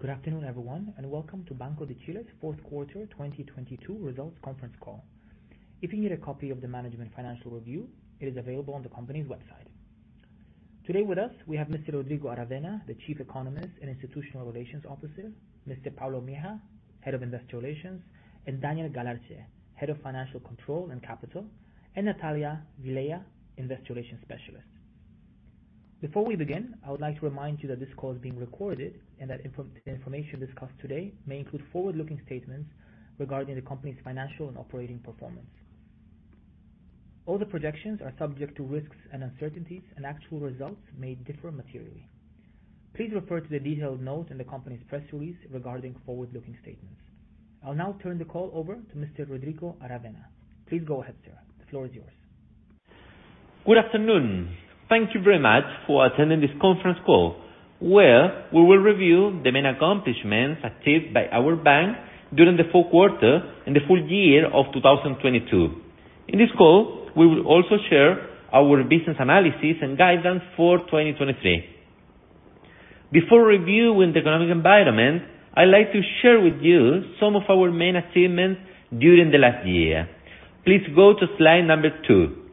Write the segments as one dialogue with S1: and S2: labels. S1: Good afternoon, everyone, and welcome to Banco de Chile's fourth quarter 2022 results conference call. If you need a copy of the management financial review, it is available on the company's website. Today with us, we have Mr. Rodrigo Aravena, the Chief Economist and Institutional Relations Officer, Mr. Pablo Mejía, Head of Investor Relations, and Daniel Galarce, Head of Financial Control and Capital, and Natalia Vilela, Investor Relations Specialist. Before we begin, I would like to remind you that this call is being recorded and that the information discussed today may include forward-looking statements regarding the company's financial and operating performance. All the projections are subject to risks and uncertainties and actual results may differ materially. Please refer to the detailed notes in the company's press release regarding forward-looking statements. I'll now turn the call over to Mr. Rodrigo Aravena. Please go ahead, sir. The floor is yours.
S2: Good afternoon. Thank you very much for attending this conference call, where we will review the main accomplishments achieved by our bank during the full quarter and the full year of 2022. In this call, we will also share our business analysis and guidance for 2023. Before reviewing the economic environment, I'd like to share with you some of our main achievements during the last year. Please go to slide 2.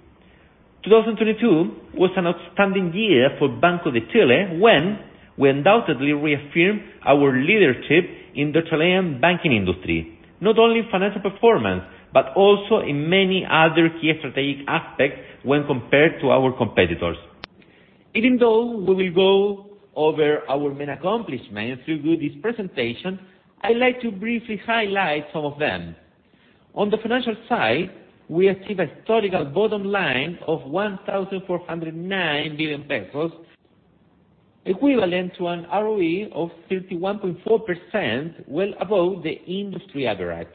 S2: 2022 was an outstanding year for Banco de Chile, when we undoubtedly reaffirmed our leadership in the Chilean banking industry, not only in financial performance, but also in many other key strategic aspects when compared to our competitors. Even though we will go over our main accomplishments throughout this presentation, I'd like to briefly highlight some of them. On the financial side, we achieved a historical bottom line of 1,409 billion pesos, equivalent to an ROE of 31.4%, well above the industry average.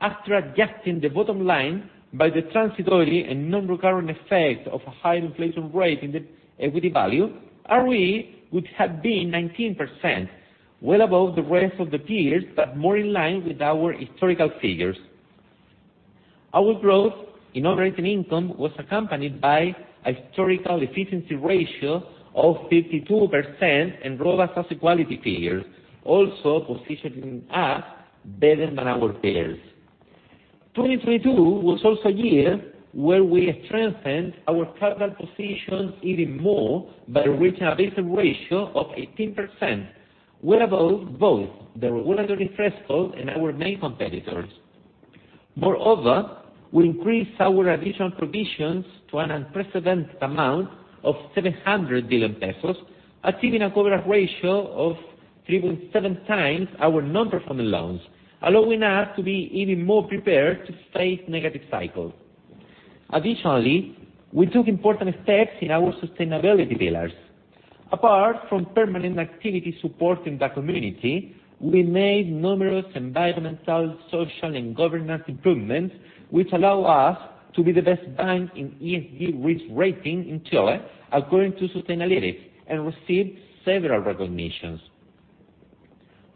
S2: After adjusting the bottom line by the transitory and non-recurring effect of a high inflation rate in the equity value, ROE would have been 19%, well above the rest of the peers, but more in line with our historical figures. Our growth in operating income was accompanied by a historical efficiency ratio of 52% and robust asset quality figures, also positioning us better than our peers. 2022 was also a year where we strengthened our capital positions even more by reaching a Basel ratio of 18%. Well above both the regulatory threshold and our main competitors. Moreover, we increased our additional provisions to an unprecedented amount of 700 billion pesos, achieving a coverage ratio of 3.7 times our non-performing loans, allowing us to be even more prepared to face negative cycles. Additionally, we took important steps in our sustainability pillars. Apart from permanent activity support in the community, we made numerous environmental, social, and governance improvements, which allow us to be the best bank in ESG risk rating in Chile, according to Sustainalytics, and received several recognitions.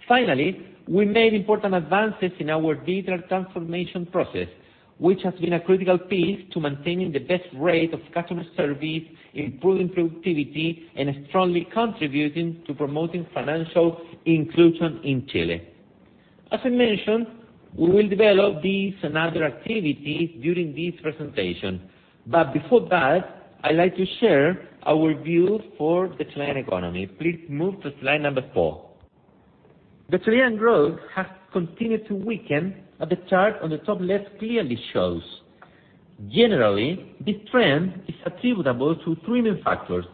S2: Finally, we made important advances in our digital transformation process, which has been a critical piece to maintaining the best rate of customer service, improving productivity, and strongly contributing to promoting financial inclusion in Chile. As I mentioned, we will develop these and other activities during this presentation. Before that, I'd like to share our view for the Chilean economy. Please move to slide number four. The Chilean growth has continued to weaken, as the chart on the top left clearly shows. Generally, this trend is attributable to three main factors.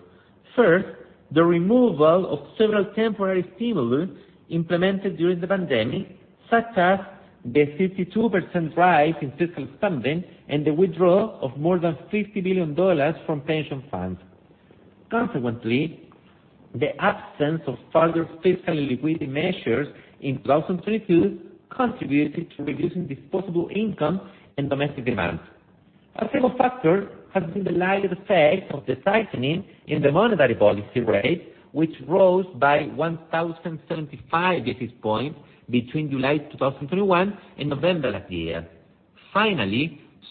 S2: First, the removal of several temporary stimulus implemented during the pandemic, such as the 52% rise in fiscal spending and the withdrawal of more than $50 billion from pension funds. The absence of further fiscal and liquidity measures in 2022 contributed to reducing disposable income and domestic demand. A second factor has been the lagged effect of the tightening in the monetary policy rate, which rose by 1,075 basis points between July 2021 and November last year.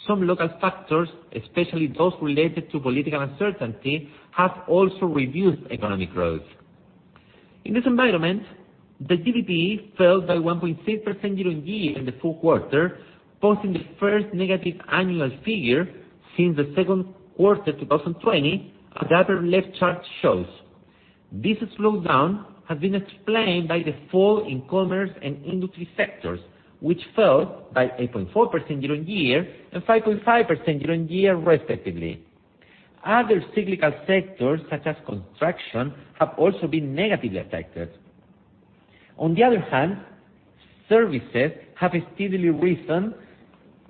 S2: Some local factors, especially those related to political uncertainty, have also reduced economic growth. In this environment, the GDP fell by 1.6% year-on-year in the full quarter, posting the first negative annual figure since the second quarter 2020, as the upper left chart shows. This slowdown has been explained by the fall in commerce and industry sectors, which fell by 8.4% year-on-year and 5.5% year-on-year respectively. Other cyclical sectors, such as construction, have also been negatively affected. On the other hand, services have steadily risen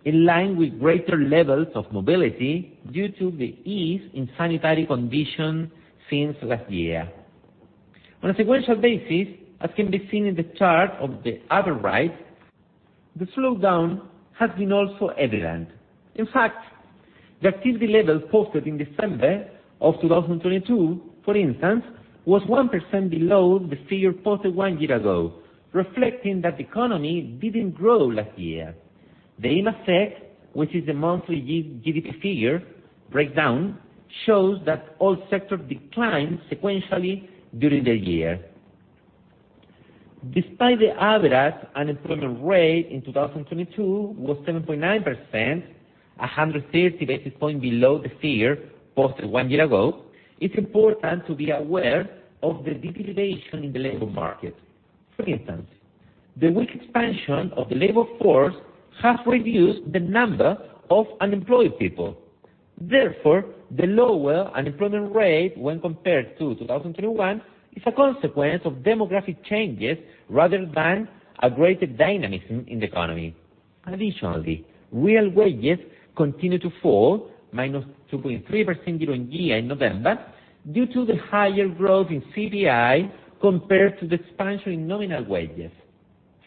S2: in line with greater levels of mobility due to the ease in sanitary conditions since last year. On a sequential basis, as can be seen in the chart on the upper right, the slowdown has been also evident. In fact, the activity level posted in December of 2022, for instance, was 1% below the figure posted 1 year ago, reflecting that the economy didn't grow last year. The IMACEC, which is the monthly GDP figure breakdown, shows that all sectors declined sequentially during the year. Despite the average unemployment rate in 2022 was 7.9%, 130 basis points below the figure posted 1 year ago, it's important to be aware of the deterioration in the labor market. For instance, the weak expansion of the labor force has reduced the number of unemployed people. Therefore, the lower unemployment rate when compared to 2021 is a consequence of demographic changes rather than a greater dynamism in the economy. Real wages continue to fall -2.3% year-on-year in November due to the higher growth in CPI compared to the expansion in nominal wages.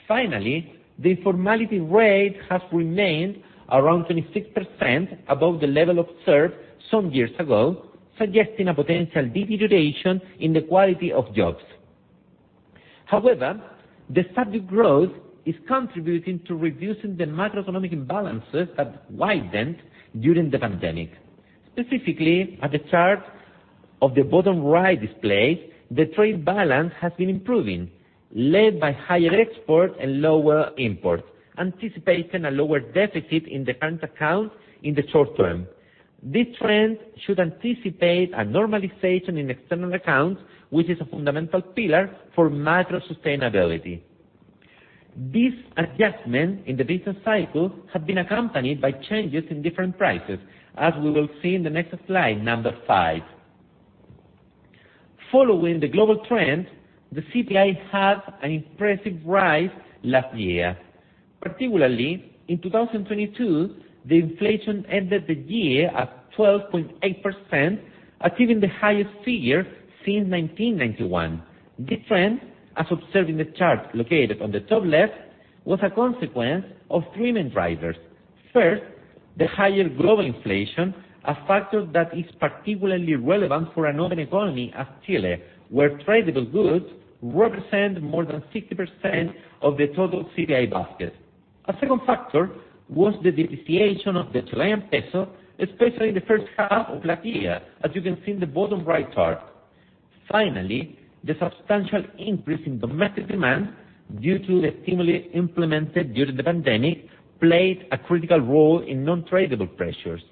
S2: Finaly the formality rate has remained around 26% above the level observed some years ago, suggesting a potential deterioration in the quality of jobs. The subject growth is contributing to reducing the macroeconomic imbalances that widened during the pandemic. At the chart of the bottom right displayed, the trade balance has been improving, led by higher export and lower import, anticipating a lower deficit in the current account in the short term. This trend should anticipate a normalization in external accounts, which is a fundamental pillar for macro sustainability. These adjustments in the business cycle have been accompanied by changes in different prices, as we will see in the next slide, number five. Following the global trend, the CPI had an impressive rise last year. Particularly, in 2022, the inflation ended the year at 12.8%, achieving the highest figure since 1991. This trend, as observed in the chart located on the top left, was a consequence of three main drivers. First, the higher global inflation, a factor that is particularly relevant for an open economy as Chile, where tradable goods represent more than 60% of the total CPI basket. A second factor was the depreciation of the Chilean peso, especially in the first half of last year, as you can see in the bottom right chart. Finally, the substantial increase in domestic demand due to the stimuli implemented during the pandemic played a critical role in non-tradable pressures.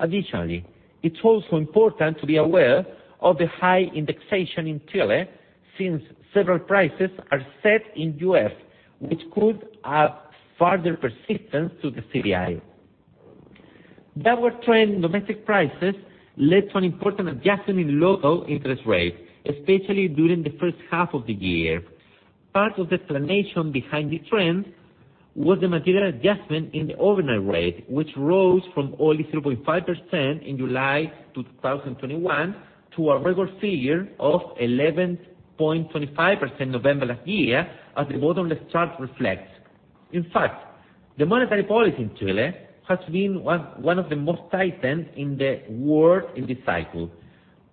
S2: Additionally, it's also important to be aware of the high indexation in Chile since several prices are set in USD, which could add further persistence to the CPI. That were trending domestic prices led to an important adjustment in local interest rates, especially during the first half of the year. Part of the explanation behind this trend was the material adjustment in the overnight rate, which rose from only 3.5% in July 2021 to a regular figure of 11.25% November last year as the bottom left chart reflects. In fact, the monetary policy in Chile has been one of the most tightened in the world in this cycle.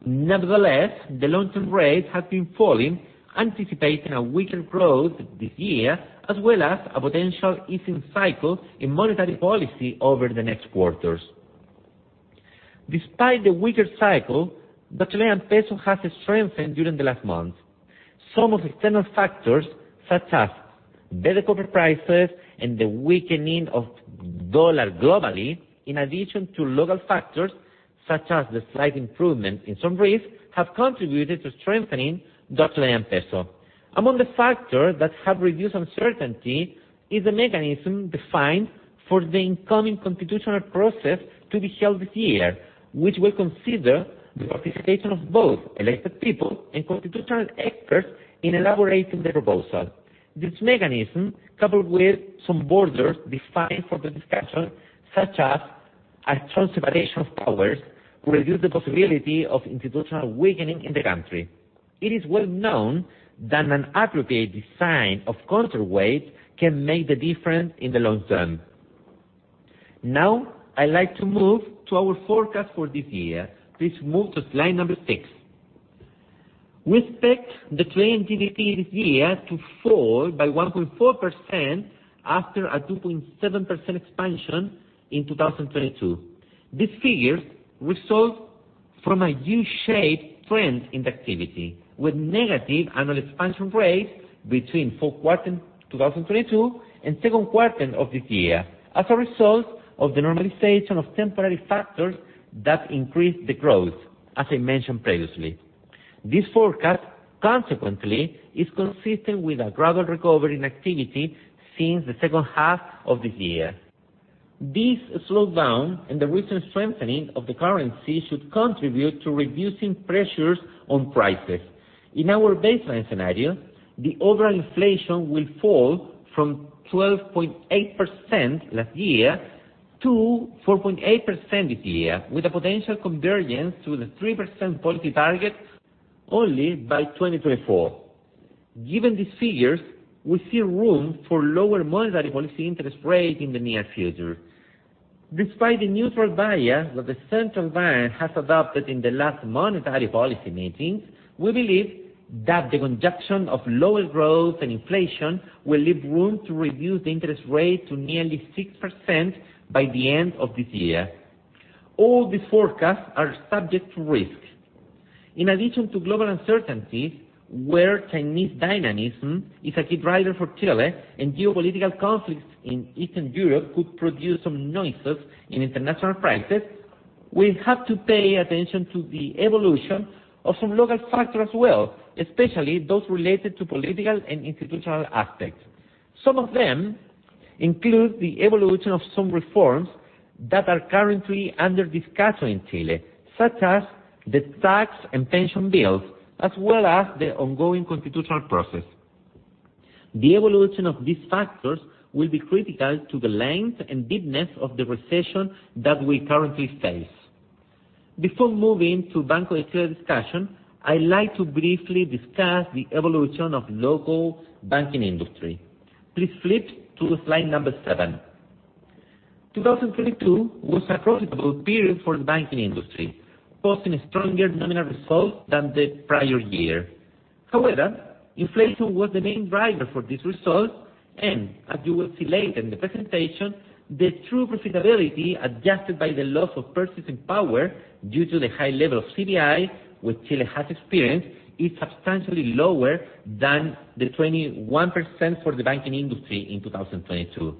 S2: Nevertheless, the long-term rates have been falling, anticipating a weaker growth this year, as well as a potential easing cycle in monetary policy over the next quarters. Despite the weaker cycle, the Chilean peso has strengthened during the last month. Some of external factors, such as better copper prices and the weakening of dollar globally, in addition to local factors such as the slight improvement in some rates, have contributed to strengthening Chilean peso. Among the factors that have reduced uncertainty is a mechanism defined for the incoming constitutional process to be held this year, which will consider the participation of both elected people and constitutional experts in elaborating the proposal. This mechanism, coupled with some borders defined for the discussion, such as a strong separation of powers, reduce the possibility of institutional weakening in the country. It is well known that an appropriate design of counterweight can make the difference in the long term. Now I'd like to move to our forecast for this year. Please move to slide number 6. We expect the Chilean GDP this year to fall by 1.4% after a 2.7% expansion in 2022. These figures result from a U-shaped trend in the activity, with negative annual expansion rate between fourth quarter 2022 and second quarter of this year, as a result of the normalization of temporary factors that increased the growth, as I mentioned previously. This forecast, consequently, is consistent with a gradual recovery in activity since the second half of this year. This slowdown and the recent strengthening of the currency should contribute to reducing pressures on prices. In our baseline scenario, the overall inflation will fall from 12.8% last year to 4.8% this year, with a potential convergence to the 3% policy target only by 2024. Given these figures, we see room for lower monetary policy interest rate in the near future. Despite the neutral bias that the central bank has adopted in the last monetary policy meetings, we believe that the conjunction of lower growth and inflation will leave room to reduce the interest rate to nearly 6% by the end of this year. All these forecasts are subject to risks. Global uncertainties, where Chinese dynamism is a key driver for Chile and geopolitical conflicts in Eastern Europe could produce some noises in international prices. We have to pay attention to the evolution of some local factors as well, especially those related to political and institutional aspects. Some of them include the evolution of some reforms that are currently under discussion in Chile, such as the tax and pension bills, as well as the ongoing constitutional process. The evolution of these factors will be critical to the length and deepness of the recession that we currently face. Before moving to Banco de Chile discussion, I'd like to briefly discuss the evolution of local banking industry. Please flip to slide number 7. 2022 was a profitable period for the banking industry, posting a stronger nominal result than the prior year. However, inflation was the main driver for this result, and as you will see later in the presentation, the true profitability adjusted by the loss of purchasing power due to the high level of CPI, which Chile has experienced, is substantially lower than the 21% for the banking industry in 2022.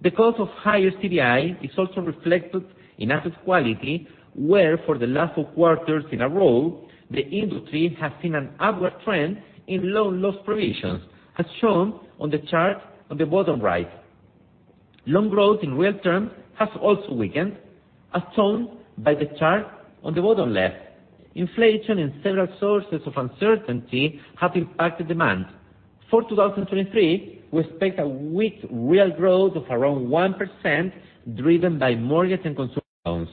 S2: The cost of higher CPI is also reflected in asset quality, where for the last four quarters in a row, the industry has seen an upward trend in loan loss provisions, as shown on the chart on the bottom right. Loan growth in real terms has also weakened, as shown by the chart on the bottom left. Inflation and several sources of uncertainty have impacted demand. For 2023, we expect a weak real growth of around 1% driven by mortgage and consumer loans.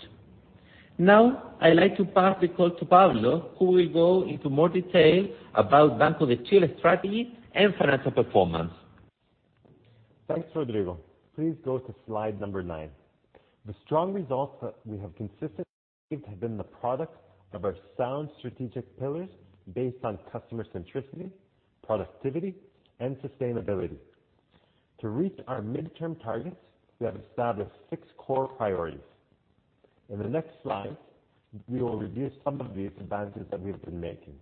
S2: I'd like to pass the call to Pablo, who will go into more detail about Banco de Chile strategy and financial performance.
S3: Thanks, Rodrigo. Please go to slide number 9. The strong results that we have consistently have been the product of our sound strategic pillars based on customer centricity, productivity, and sustainability. To reach our midterm targets, we have established six core priorities. In the next slide, we will review some of these advances that we've been making.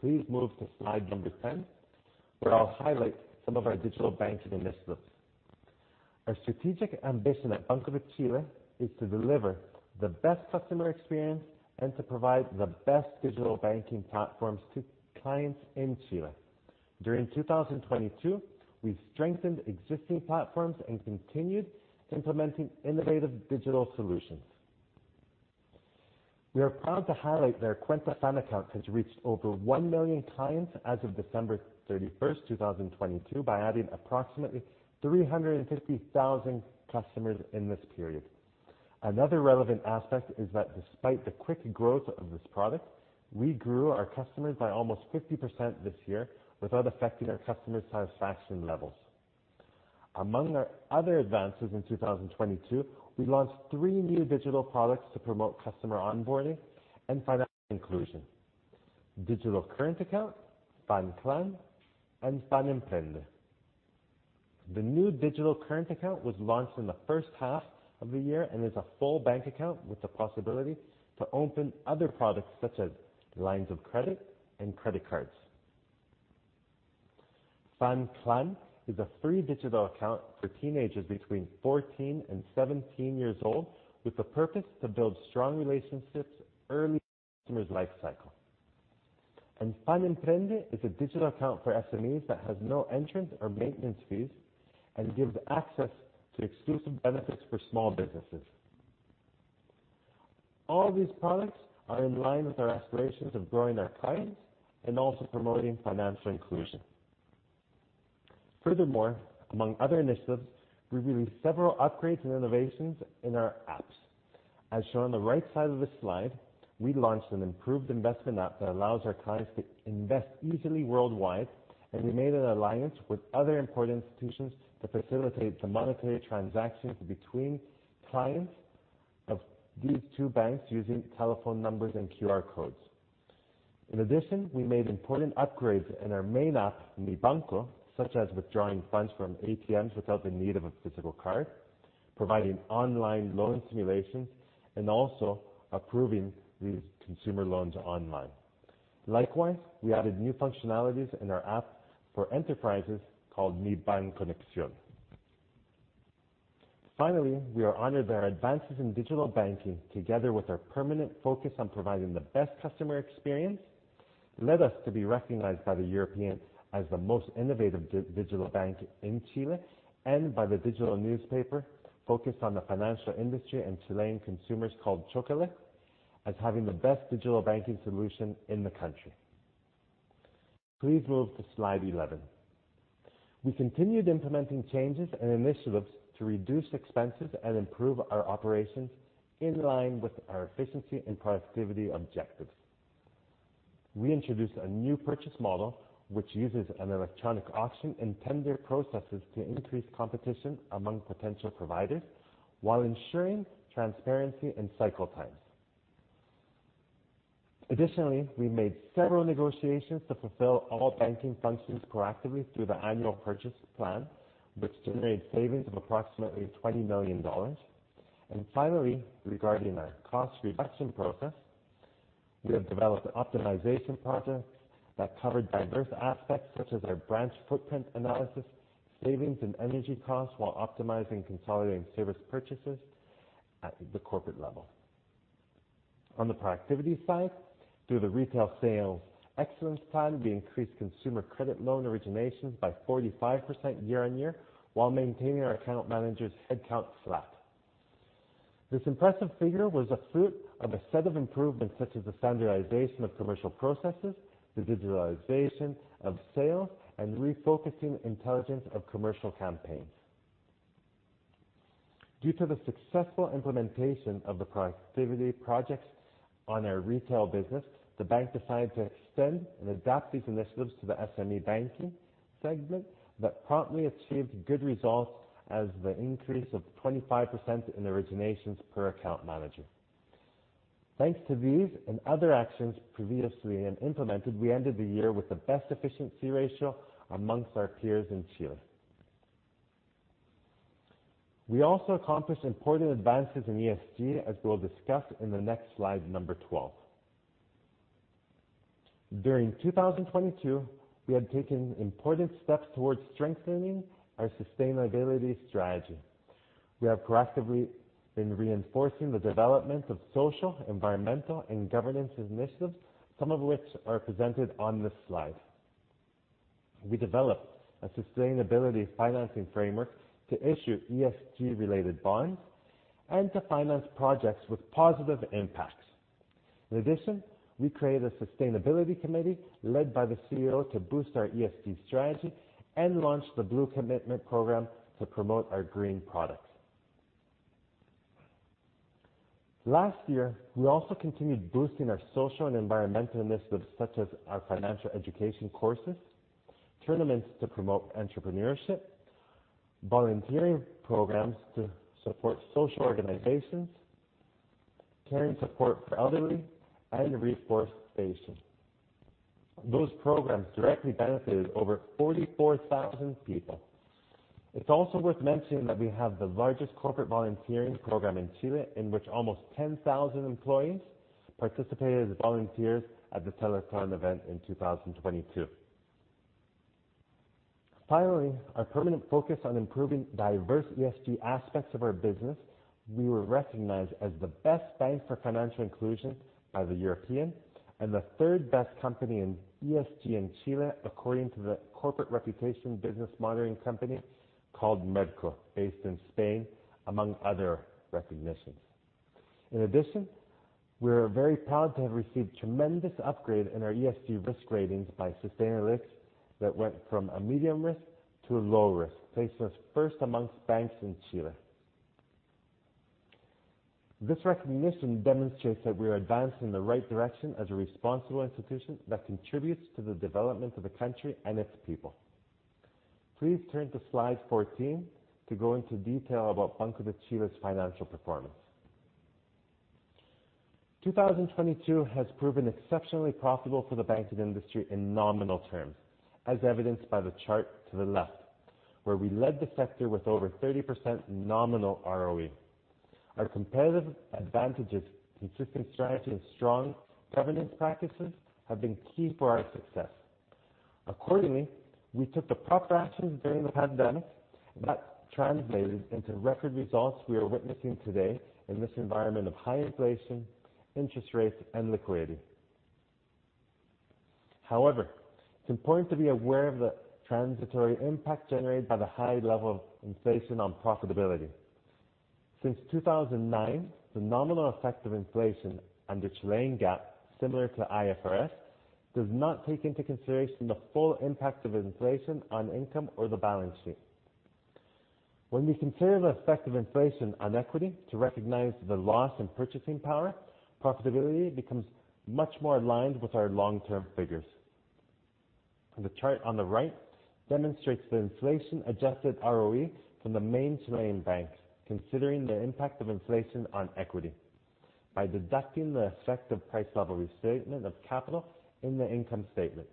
S3: Please move to slide number 10, where I'll highlight some of our digital banking initiatives. Our strategic ambition at Banco de Chile is to deliver the best customer experience and to provide the best digital banking platforms to clients in Chile. During 2022, we've strengthened existing platforms and continued implementing innovative digital solutions. We are proud to highlight that our Cuenta FAN account has reached over 1 million clients as of December 31, 2022, by adding approximately 350,000 customers in this period. Another relevant aspect is that despite the quick growth of this product, we grew our customers by almost 50% this year without affecting our customer satisfaction levels. Among our other advances in 2022, we launched 3 new digital products to promote customer onboarding and financial inclusion: digital current account, FAN Clan, and FAN Emprende. The new digital current account was launched in the first half of the year and is a full bank account with the possibility to open other products such as lines of credit and credit cards. FAN Clan is a free digital account for teenagers between 14 and 17 years old with the purpose to build strong relationships early in the customer's life cycle. FAN Emprende is a digital account for SMEs that has no entrance or maintenance fees and gives access to exclusive benefits for small businesses. All these products are in line with our aspirations of growing our clients and also promoting financial inclusion. Furthermore, among other initiatives, we released several upgrades and innovations in our apps. As shown on the right side of this slide, we launched an improved investment app that allows our clients to invest easily worldwide, and we made an alliance with other important institutions to facilitate the monetary transactions between clients of these two banks using telephone numbers and QR codes. We made important upgrades in our main app, Mi Banco, such as withdrawing funds from ATMs without the need of a physical card, providing online loan simulations, and also approving these consumer loans online. We added new functionalities in our app for enterprises called Mi Banconexión. Finally, we are honored that our advances in digital banking, together with our permanent focus on providing the best customer experience, led us to be recognized by The European as the most innovative digital bank in Chile and by the digital newspaper focused on the financial industry and Chilean consumers called Chócale as having the best digital banking solution in the country. Please move to slide 11. We continued implementing changes and initiatives to reduce expenses and improve our operations in line with our efficiency and productivity objectives. We introduced a new purchase model which uses an electronic auction and tender processes to increase competition among potential providers while ensuring transparency and cycle times. Additionally, we made several negotiations to fulfill all banking functions proactively through the annual purchase plan, which generated savings of approximately $20 million. Finally, regarding our cost reduction process, we have developed optimization projects that covered diverse aspects such as our branch footprint analysis, savings and energy costs while optimizing consolidating service purchases at the corporate level. On the productivity side, through the retail sales excellence plan, we increased consumer credit loan originations by 45% year-on-year, while maintaining our account managers headcount flat. This impressive figure was a fruit of a set of improvements such as the standardization of commercial processes, the digitalization of sales, and refocusing intelligence of commercial campaigns. Due to the successful implementation of the productivity projects on our retail business, the bank decided to extend and adapt these initiatives to the SME banking segment that promptly achieved good results as the increase of 25% in originations per account manager. Thanks to these and other actions previously implemented, we ended the year with the best efficiency ratio amongst our peers in Chile. We also accomplished important advances in ESG, as we'll discuss in the next slide, number 12. During 2022, we have taken important steps towards strengthening our sustainability strategy. We have proactively been reinforcing the development of social, environmental, and governance initiatives, some of which are presented on this slide. We developed a sustainability financing framework to issue ESG-related bonds and to finance projects with positive impacts. In addition, we created a sustainability committee led by the CEO to boost our ESG strategy and launched the Blue Commitment program to promote our green products. Last year, we also continued boosting our social and environmental initiatives such as our financial education courses, tournaments to promote entrepreneurship, volunteering programs to support social organizations, caring support for elderly, and reforestation. Those programs directly benefited over 44,000 people. It's also worth mentioning that we have the largest corporate volunteering program in Chile, in which almost 10,000 employees participated as volunteers at the Teletón event in 2022. Our permanent focus on improving diverse ESG aspects of our business, we were recognized as the best bank for financial inclusion by The European and the 3rd-best company in ESG in Chile, according to the corporate reputation business monitoring company called Merco, based in Spain, among other recognitions. We are very proud to have received tremendous upgrade in our ESG risk ratings by Sustainalytics that went from a medium risk to a low risk, placing us 1st amongst banks in Chile. This recognition demonstrates that we are advancing in the right direction as a responsible institution that contributes to the development of the country and its people. Please turn to slide 14 to go into detail about Banco de Chile's financial performance. 2022 has proven exceptionally profitable for the banking industry in nominal terms, as evidenced by the chart to the left, where we led the sector with over 30% nominal ROE. Our competitive advantages, consistent strategy, and strong governance practices have been key for our success. Accordingly, we took the proper actions during the pandemic that translated into record results we are witnessing today in this environment of high inflation, interest rates, and liquidity. However it's important to be aware of the transitory impact generated by the high level of inflation on profitability. Since 2009, the nominal effect of inflation and its laying gap, similar to IFRS, does not take into consideration the full impact of inflation on income or the balance sheet. When we consider the effect of inflation on equity to recognize the loss in purchasing power, profitability becomes much more aligned with our long-term figures. The chart on the right demonstrates the inflation-adjusted ROE from the main Chilean bank, considering the impact of inflation on equity by deducting the effect of price level restatement of capital in the income statement.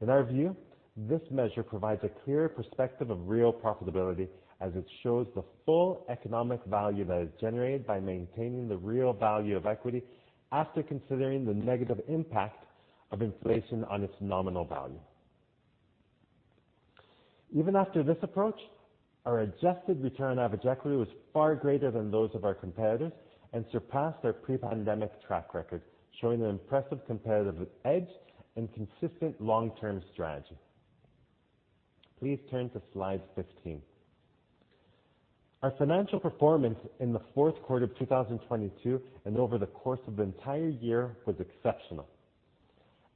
S3: In our view, this measure provides a clear perspective of real profitability as it shows the full economic value that is generated by maintaining the real value of equity after considering the negative impact of inflation on its nominal value. Even after this approach, our adjusted return on average equity was far greater than those of our competitors and surpassed our pre-pandemic track record, showing an impressive competitive edge and consistent long-term strategy. Please turn to slide 15. Our financial performance in the fourth quarter of 2022 and over the course of the entire year was exceptional.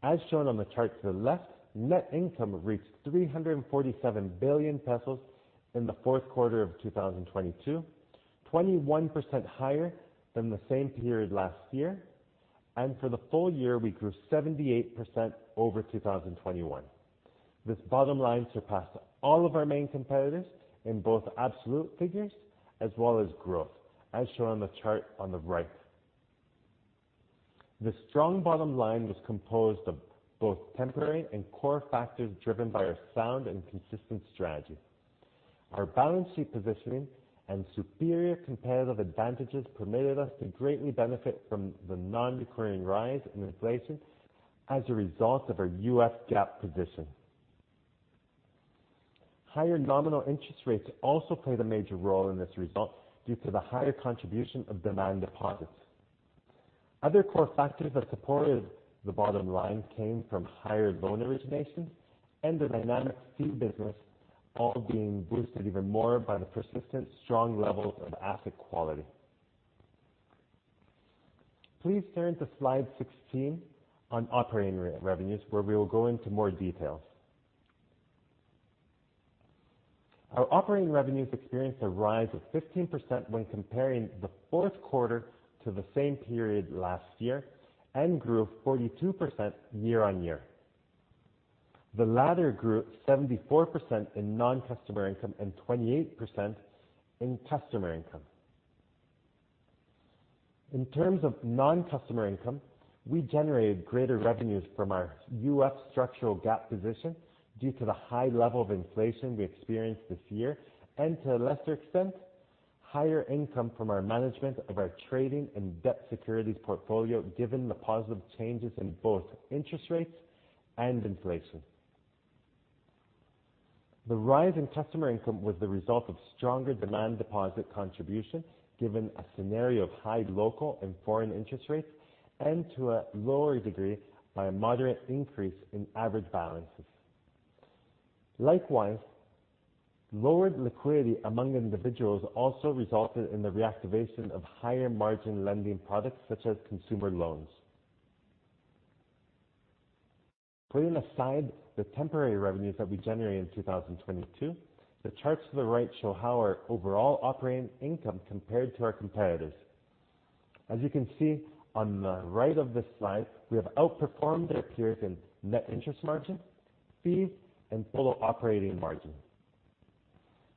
S3: As shown on the chart to the left, net income reached 347 billion pesos in the fourth quarter of 2022, 21% higher than the same period last year. For the full year, we grew 78% over 2021. This bottom line surpassed all of our main competitors in both absolute figures as well as growth, as shown on the chart on the right. The strong bottom line was composed of both temporary and core factors driven by our sound and consistent strategy. Our balance sheet positioning and superior competitive advantages permitted us to greatly benefit from the non-recurring rise in inflation as a result of our UF GAAP position. Higher nominal interest rates also played a major role in this result due to the higher contribution of demand deposits. Other core factors that supported the bottom line came from higher loan originations and the dynamic fee business, all being boosted even more by the persistent strong levels of asset quality. Please turn to slide 16 on operating revenues, where we will go into more details. Our operating revenues experienced a rise of 15% when comparing the fourth quarter to the same period last year and grew 42% year-on-year. The latter grew 74% in non-customer income and 28% in customer income. In terms of non-customer income, we generated greater revenues from our US structural GAAP position due to the high level of inflation we experienced this year and to a lesser extent, higher income from our management of our trading and debt securities portfolio, given the positive changes in both interest rates and inflation. The rise in customer income was the result of stronger demand deposit contribution, given a scenario of high local and foreign interest rates, and to a lower degree by a moderate increase in average balances. Likewise, lowered liquidity among individuals also resulted in the reactivation of higher margin lending products such as consumer loans. Putting aside the temporary revenues that we generated in 2022, the charts to the right show how our overall operating income compared to our competitors. As you can see on the right of this slide, we have outperformed our peers in net interest margin, fees, and total operating margin.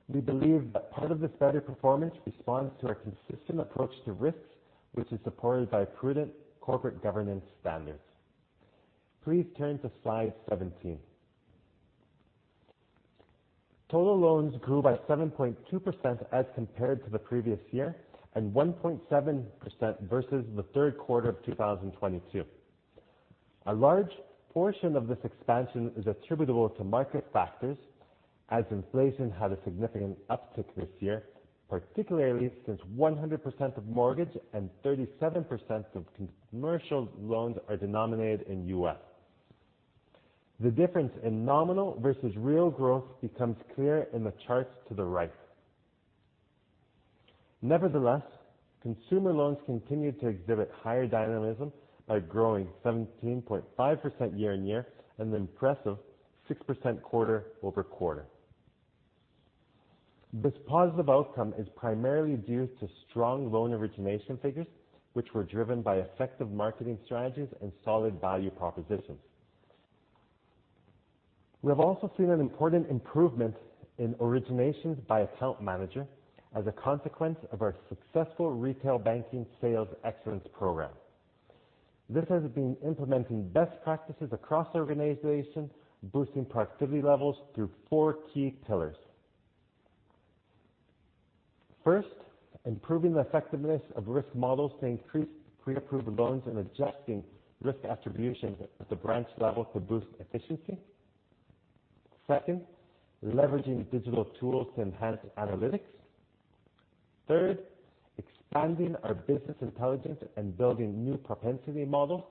S3: We believe that part of this better performance responds to our consistent approach to risks, which is supported by prudent corporate governance standards. Please turn to slide 17. Total loans grew by 7.2% as compared to the previous year and 1.7% versus the third quarter of 2022. A large portion of this expansion is attributable to market factors as inflation had a significant uptick this year, particularly since 100% of mortgage and 37% of commercial loans are denominated in US. The difference in nominal versus real growth becomes clear in the charts to the right. Nevertheless, consumer loans continued to exhibit higher dynamism by growing 17.5% year-on-year and an impressive 6% quarter-over-quarter. This positive outcome is primarily due to strong loan origination figures, which were driven by effective marketing strategies and solid value propositions. We have also seen an important improvement in originations by account manager as a consequence of our successful retail banking sales excellence program. This has been implementing best practices across organizations, boosting productivity levels through four key pillars. First, improving the effectiveness of risk models to increase pre-approved loans and adjusting risk attribution at the branch level to boost efficiency. Second, leveraging digital tools to enhance analytics. Third, expanding our business intelligence and building new propensity models,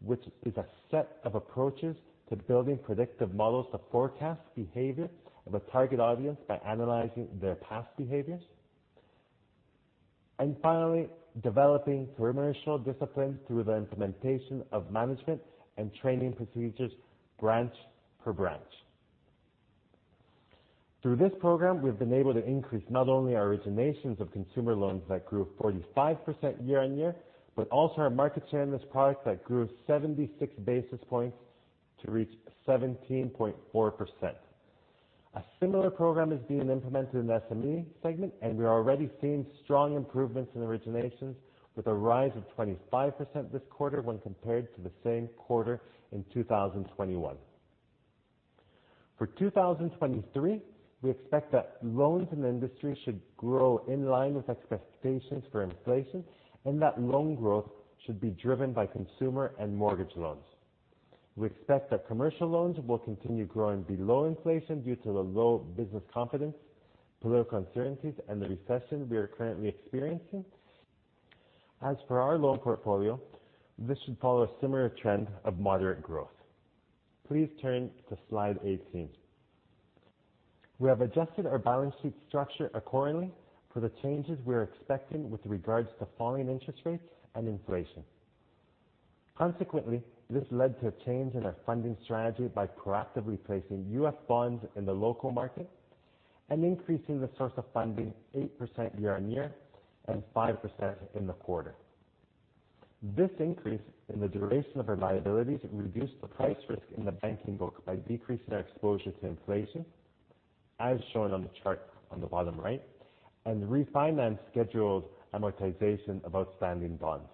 S3: which is a set of approaches to building predictive models to forecast behavior of a target audience by analyzing their past behaviors. Finally, developing commercial disciplines through the implementation of management and training procedures branch per branch. Through this program, we have been able to increase not only our originations of consumer loans that grew 45% year-on-year, but also our market share in this product that grew 76 basis points to reach 17.4%. A similar program is being implemented in the SME segment, and we are already seeing strong improvements in originations with a rise of 25% this quarter when compared to the same quarter in 2021. For 2023, we expect that loans in the industry should grow in line with expectations for inflation and that loan growth should be driven by consumer and mortgage loans. We expect that commercial loans will continue growing below inflation due to the low business confidence, political uncertainties, and the recession we are currently experiencing. As for our loan portfolio, this should follow a similar trend of moderate growth. Please turn to slide 18. We have adjusted our balance sheet structure accordingly for the changes we are expecting with regards to falling interest rates and inflation. Consequently, this led to a change in our funding strategy by proactively placing U.S. bonds in the local market and increasing the source of funding 8% year-on-year and 5% in the quarter. This increase in the duration of our liabilities reduced the price risk in the banking book by decreasing our exposure to inflation, as shown on the chart on the bottom right, and refinance scheduled amortization of outstanding bonds.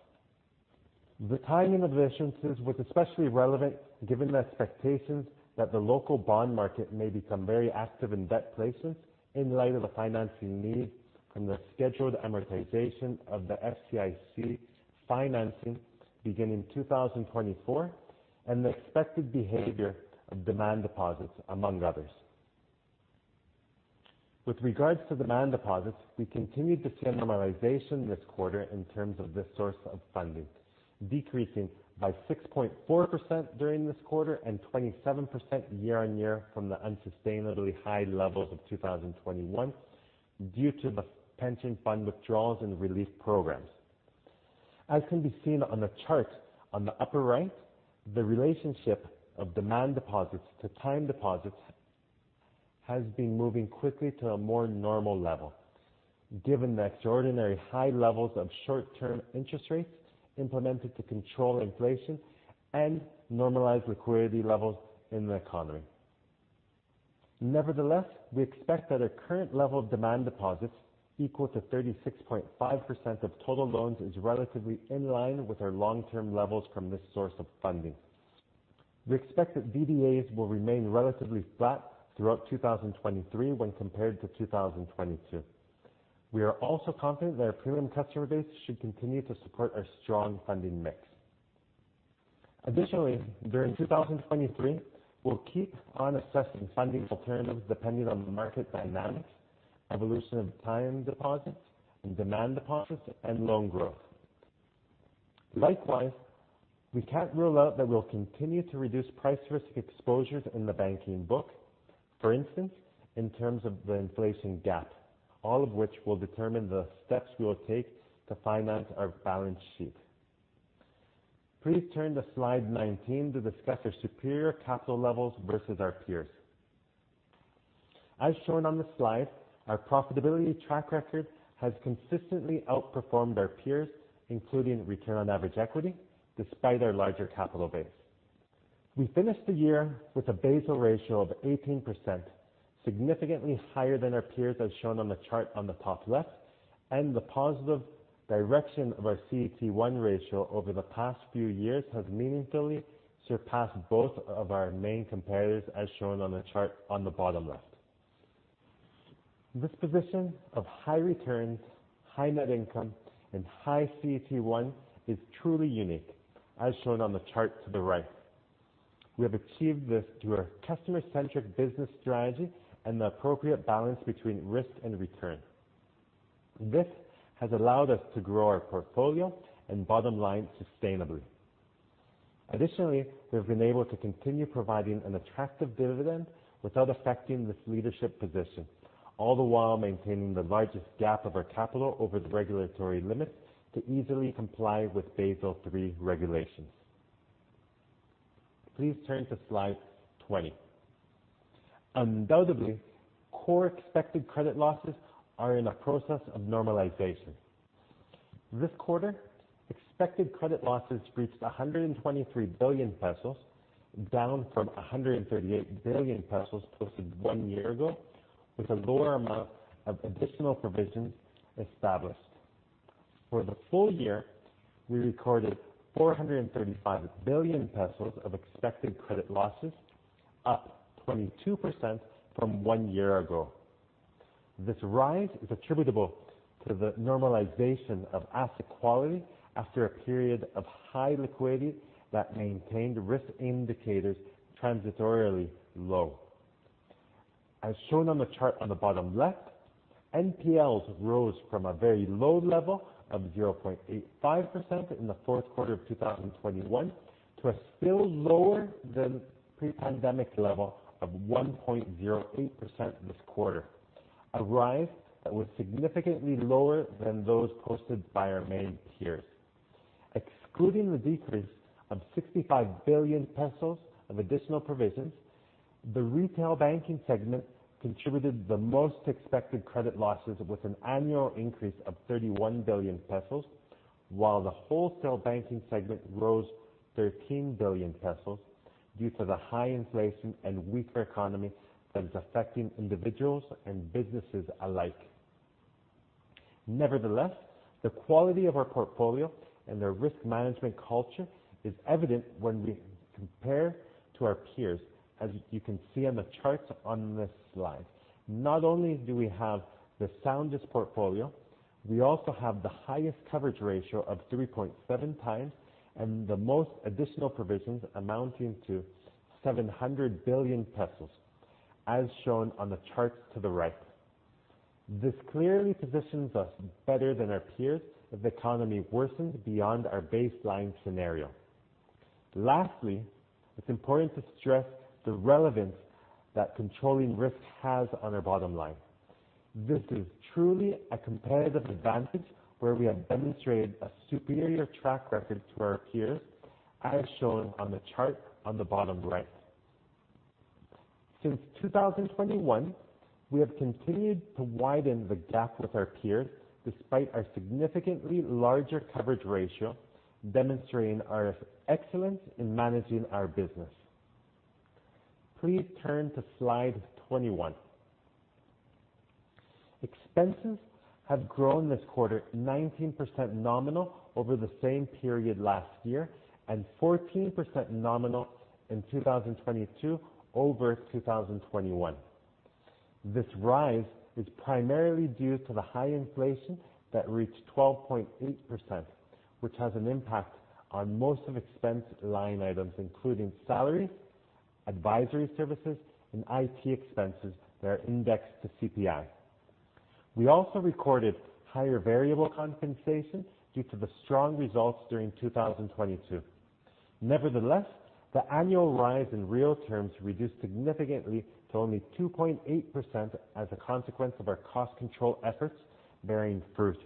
S3: The timing of the issuances was especially relevant given the expectations that the local bond market may become very active in debt places in light of the financing needs from the scheduled amortization of the FCIC financing beginning 2024, and the expected behavior of demand deposits, among others. With regards to demand deposits, we continued to see a normalization this quarter in terms of this source of funding, decreasing by 6.4% during this quarter and 27% year-on-year from the unsustainably high levels of 2021 due to the pension fund withdrawals and relief programs. As can be seen on the chart on the upper right, the relationship of demand deposits to time deposits has been moving quickly to a more normal level given the extraordinary high levels of short-term interest rates implemented to control inflation and normalize liquidity levels in the economy. Nevertheless, we expect that our current level of demand deposits equal to 36.5% of total loans is relatively in line with our long-term levels from this source of funding. We expect that DDAs will remain relatively flat throughout 2023 when compared to 2022. We are also confident that our premium customer base should continue to support our strong funding mix. During 2023, we'll keep on assessing funding alternatives depending on the market dynamics, evolution of time deposits and demand deposits, and loan growth. Likewise, we can't rule out that we'll continue to reduce price risk exposures in the banking book. For instance, in terms of the inflation gap, all of which will determine the steps we will take to finance our balance sheet. Please turn to slide 19 to discuss our superior capital levels versus our peers. As shown on the slide, our profitability track record has consistently outperformed our peers, including return on average equity despite our larger capital base. We finished the year with a Basel ratio of 18%, significantly higher than our peers, as shown on the chart on the top left. The positive direction of our CET1 ratio over the past few years has meaningfully surpassed both of our main competitors, as shown on the chart on the bottom left. This position of high returns, high net income, and high CET1 is truly unique, as shown on the chart to the right. We have achieved this through our customer-centric business strategy and the appropriate balance between risk and return. This has allowed us to grow our portfolio and bottom line sustainably. We've been able to continue providing an attractive dividend without affecting this leadership position, all the while maintaining the largest gap of our capital over the regulatory limits to easily comply with Basel III regulations. Please turn to slide 20. Undoubtedly, core expected credit losses are in a process of normalization. This quarter, expected credit losses reached 123 billion pesos, down from 138 billion pesos posted one year ago, with a lower amount of additional provisions established. For the full year, we recorded 435 billion pesos of expected credit losses, up 22% from one year ago. This rise is attributable to the normalization of asset quality after a period of high liquidity that maintained risk indicators transitorily low. As shown on the chart on the bottom left, NPLs rose from a very low level of 0.85% in the fourth quarter of 2021 to a still lower than pre-pandemic level of 1.08% this quarter. A rise that was significantly lower than those posted by our main peers. Excluding the decrease of 65 billion pesos of additional provisions, the retail banking segment contributed the most expected credit losses with an annual increase of 31 billion pesos, while the wholesale banking segment rose 13 billion pesos due to the high inflation and weaker economy that is affecting individuals and businesses alike. Nevertheless, the quality of our portfolio and their risk management culture is evident when we compare to our peers. As you can see on the charts on this slide, not only do we have the soundest portfolio, we also have the highest coverage ratio of 3.7x and the most additional provisions amounting to 700 billion pesos, as shown on the charts to the right. This clearly positions us better than our peers if the economy worsens beyond our baseline scenario. Lastly, it's important to stress the relevance that controlling risk has on our bottom line. This is truly a competitive advantage where we have demonstrated a superior track record to our peers, as shown on the chart on the bottom right. Since 2021, we have continued to widen the gap with our peers despite our significantly larger coverage ratio, demonstrating our excellence in managing our business. Please turn to slide 21. Expenses have grown this quarter 19% nominal over the same period last year and 14% nominal in 2022 over 2021. This rise is primarily due to the high inflation that reached 12.8%, which has an impact on most of expense line items, including salaries, advisory services, and IT expenses that are indexed to CPI. We also recorded higher variable compensation due to the strong results during 2022. Nevertheless, the annual rise in real terms reduced significantly to only 2.8% as a consequence of our cost control efforts bearing fruit.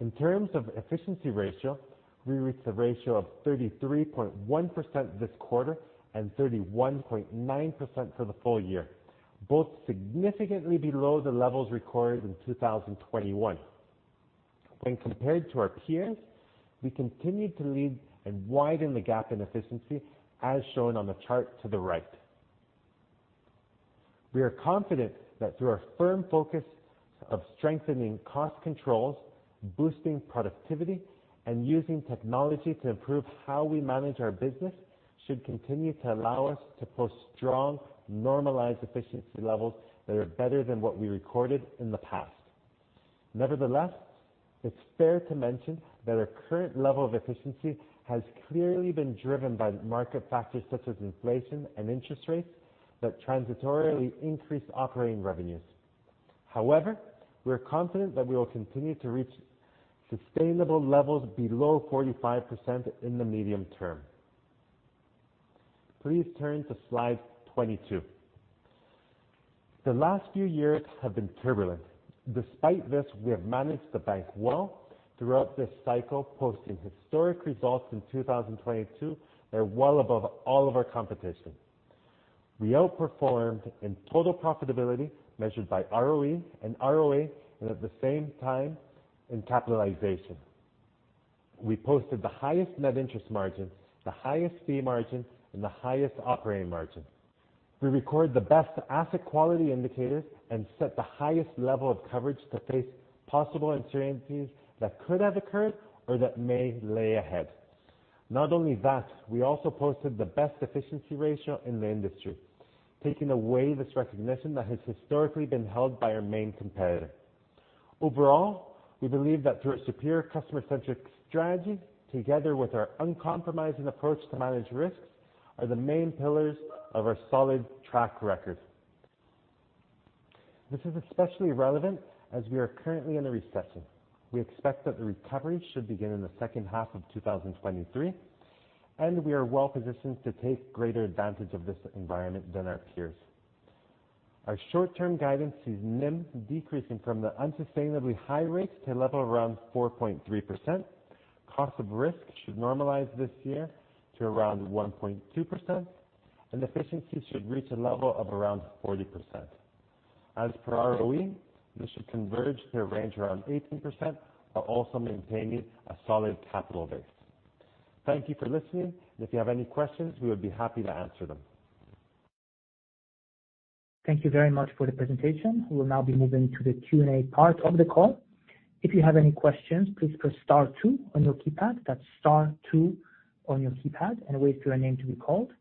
S3: In terms of efficiency ratio, we reached a ratio of 33.1% this quarter and 31.9% for the full year, both significantly below the levels recorded in 2021. When compared to our peers, we continued to lead and widen the gap in efficiency as shown on the chart to the right. We are confident that through our firm focus of strengthening cost controls, boosting productivity, and using technology to improve how we manage our business should continue to allow us to post strong normalized efficiency levels that are better than what we recorded in the past. Nevertheless, it's fair to mention that our current level of efficiency has clearly been driven by market factors such as inflation and interest rates that transitorily increase operating revenues. We are confident that we will continue to reach sustainable levels below 45% in the medium term. Please turn to slide 22. The last few years have been turbulent. Despite this, we have managed the bank well throughout this cycle, posting historic results in 2022 that are well above all of our competition. We outperformed in total profitability measured by ROE and ROA, and at the same time in capitalization. We posted the highest net interest margin, the highest fee margin, and the highest operating margin. We record the best asset quality indicators and set the highest level of coverage to face possible uncertainties that could have occurred or that may lay ahead. Not only that, we also posted the best efficiency ratio in the industry, taking away this recognition that has historically been held by our main competitor. Overall, we believe that through a superior customer-centric strategy together with our uncompromising approach to manage risks are the main pillars of our solid track record. This is especially relevant as we are currently in a recession. We expect that the recovery should begin in the second half of 2023, and we are well positioned to take greater advantage of this environment than our peers. Our short-term guidance sees NIM decreasing from the unsustainably high rates to a level around 4.3%. Cost of risk should normalize this year to around 1.2%, and efficiency should reach a level of around 40%. As per ROE, this should converge to a range around 18% while also maintaining a solid capital base. Thank you for listening. If you have any questions, we would be happy to answer them.
S1: Thank you very much for the presentation. We will now be moving to the Q&A part of the call. If you have any questions, please press star two on your keypad. That's star two on your keypad and wait for your name to be called.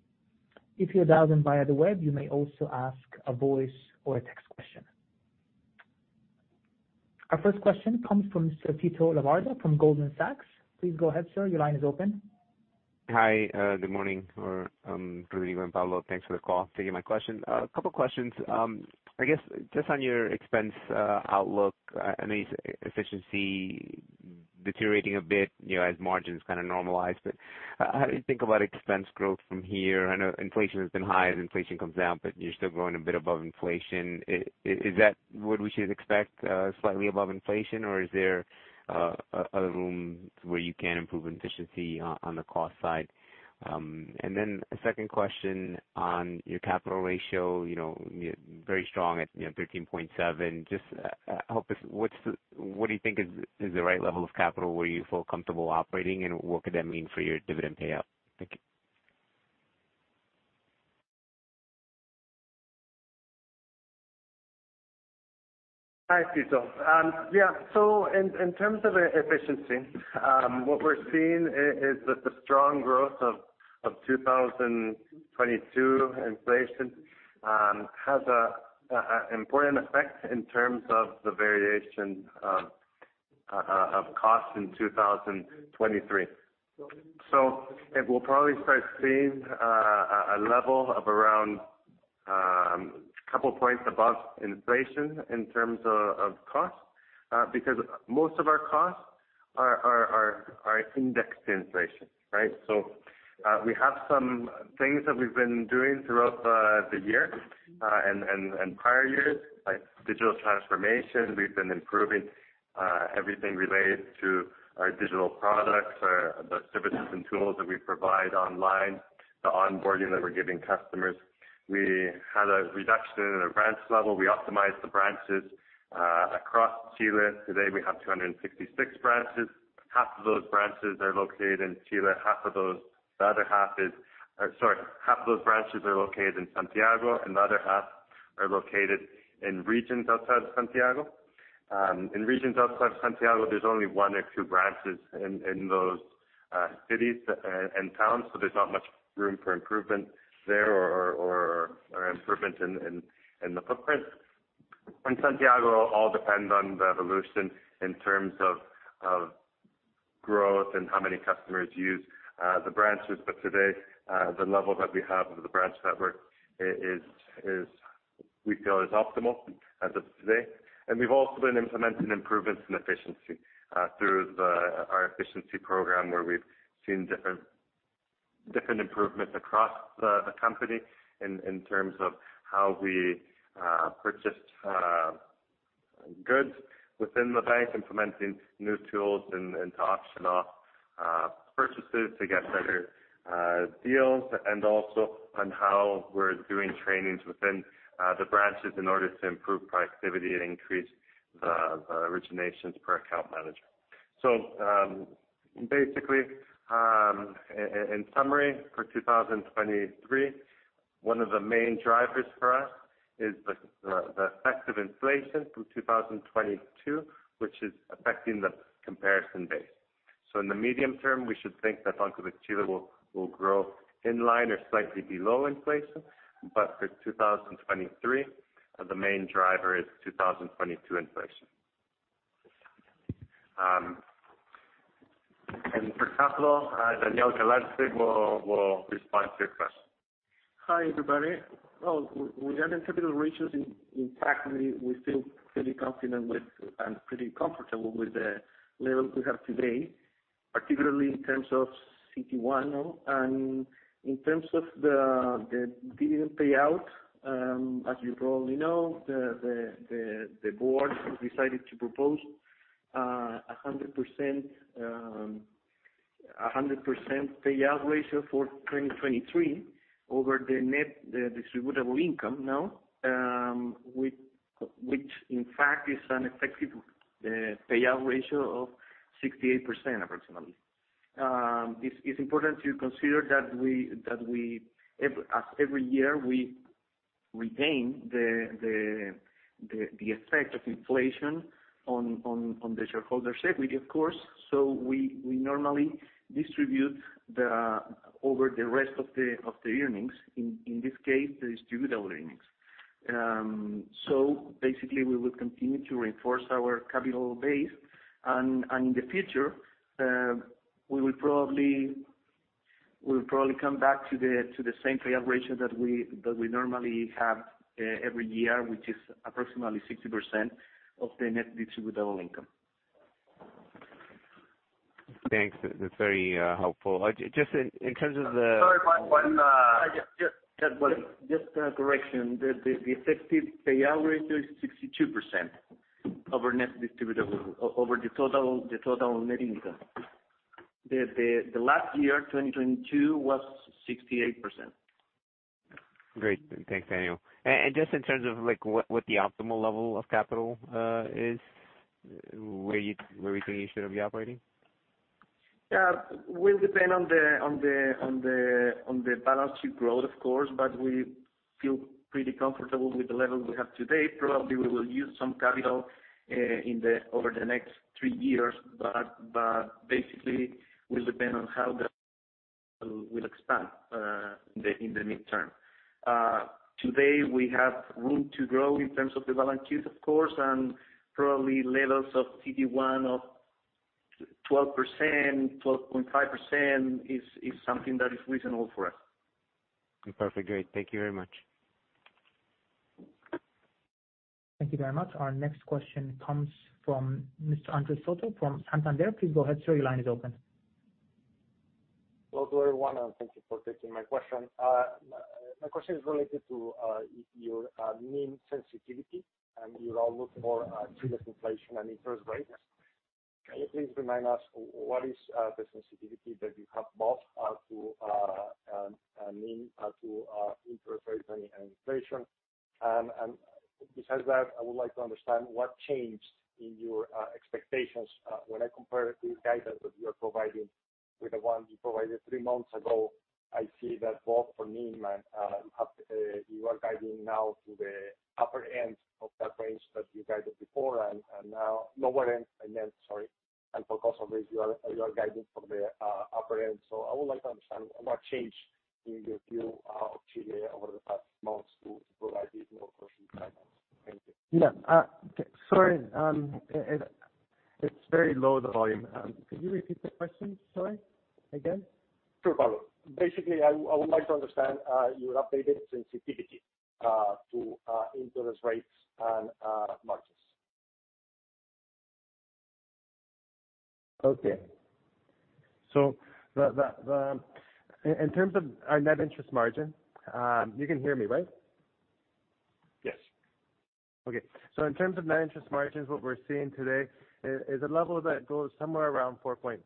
S1: If you're dialed in via the web, you may also ask a voice or a text question. Our first question comes from Mr. Tito Labarta from Goldman Sachs. Please go ahead, sir. Your line is open.
S4: Hi. Good morning. Or, good evening, Pablo. Thanks for the call. Thank you. A couple questions. I guess just on your expense outlook, I mean efficiency deteriorating a bit, you know, as margins kinda normalize. How do you think about expense growth from here? I know inflation has been high as inflation comes down, but you're still growing a bit above inflation. Is that what we should expect, slightly above inflation, or is there other room where you can improve efficiency on the cost side? A second question on your capital ratio. You know, you are very strong at, you know, 13.7%. Just help us, what do you think is the right level of capital where you feel comfortable operating, and what could that mean for your dividend payout? Thank you.
S3: Hi, Tito. yeah. In terms of efficiency, what we are seeing is that the strong growth of 2022 inflation, has a important effect in terms of the variation. Of cost in 2023. It will probably start seeing a level of around couple points above inflation in terms of cost, because most of our costs are indexed to inflation, right? We have some things that we've been doing throughout the year and prior years, like digital transformation. We have been improving everything related to our digital products or the services and tools that we provide online, the onboarding that we're giving customers. We had a reduction in our branch level. We optimized the branches across Chile. Today, we have 266 branches. Half of those branches are located in Santiago, and the other half are located in regions outside of Santiago. In regions outside of Santiago, there's only one or two branches in those cities and towns, so there's not much room for improvement there or improvement in the footprint. In Santiago, all depends on the evolution in terms of growth and how many customers use the branches. Today, the level that we have of the branch network is we feel is optimal as of today. We've also been implementing improvements in efficiency through our efficiency program, where we've seen different improvements across the company in terms of how we purchase goods within the bank, implementing new tools and to auction off purchases to get better deals, and also on how we're doing trainings within the branches in order to improve productivity and increase the originations per account manager. Basically, in summary, for 2023, one of the main drivers for us is the effect of inflation from 2022, which is affecting the comparison base. In the medium term, we should think that Banco de Chile will grow in line or slightly below inflation. For 2023, the main driver is 2022 inflation. And for capital, Daniel Galaz will respond to your question.
S5: Hi, everybody. Well, regarding capital ratios, in fact, we feel pretty confident with and pretty comfortable with the level we have today, particularly in terms of CET1. In terms of the dividend payout, as you probably know, the board decided to propose a 100% payout ratio for 2023 over the net distributable income now, which in fact is an effective payout ratio of 68%, approximately. It's important to consider that we, as every year, we retain the effect of inflation on the shareholders' equity, of course. We normally distribute over the rest of the earnings, in this case, the distributable earnings. Basically, we will continue to reinforce our capital base, and in the future, we will probably come back to the same payout ratio that we normally have every year, which is approximately 60% of the net distributable income.
S4: Thanks. That's very helpful. Just in terms of.
S5: Sorry, Mike, one, just a correction. The effective payout ratio is 62% over net distributable, over the total net income. The last year, 2022, was 68%.
S4: Great. Thanks, Daniel. just in terms of like, what the optimal level of capital is, where you think you should be operating?
S5: Will depend on the balance sheet growth, of course, but we feel pretty comfortable with the level we have today. Probably we will use some capital over the next three years, but basically will depend on how the capital will expand in the midterm. Today, we have room to grow in terms of the balance sheet, of course, and probably levels of CET1 of 12%, 12.5% is something that is reasonable for us.
S4: Perfect. Great. Thank you very much.
S1: Thank you very much. Our next question comes from Mr. Andrés Soto from Santander. Please go ahead, sir. Your line is open.
S6: Hello to everyone. Thank you for taking my question. My question is related to your NIM sensitivity, and you all look more at Chile's inflation and interest rates. Can you please remind us what is the sensitivity that you have both to NIM, to interest rates and inflation? Besides that, I would like to understand what changed in your expectations when I compare the guidance that you are providing with the one you provided 3 months ago. I see that both for NIM and you are guiding now to the upper end of that range that you guided before and now lower end, I meant, sorry. For cost of risk, you are guiding for the upper end. I would like to understand what changed in your view of Chile over the past months to provide this more caution guidance. Thank you.
S3: Yeah. Sorry, it's very low, the volume. Could you repeat the question, sorry, again?
S6: Sure, Pablo. Basically, I would like to understand your updated sensitivity to interest rates and margins.
S3: Okay. In terms of our net interest margin, You can hear me, right?
S6: Yes.
S3: In terms of net interest margins, what we're seeing today is a level that goes somewhere around 4.3%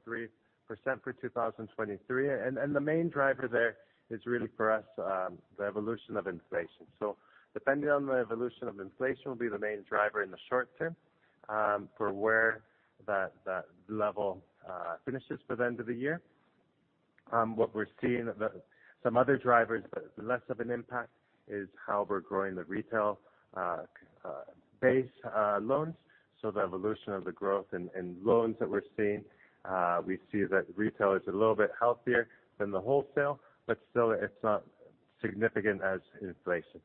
S3: for 2023. The main driver there is really for us, the evolution of inflation. Depending on the evolution of inflation will be the main driver in the short term, for where the level finishes for the end of the year. What we're seeing, some other drivers, but less of an impact, is how we are growing the retail base loans. The evolution of the growth and loans that we're seeing, we see that retail is a little bit healthier than the wholesale, but still it's not significant as inflation.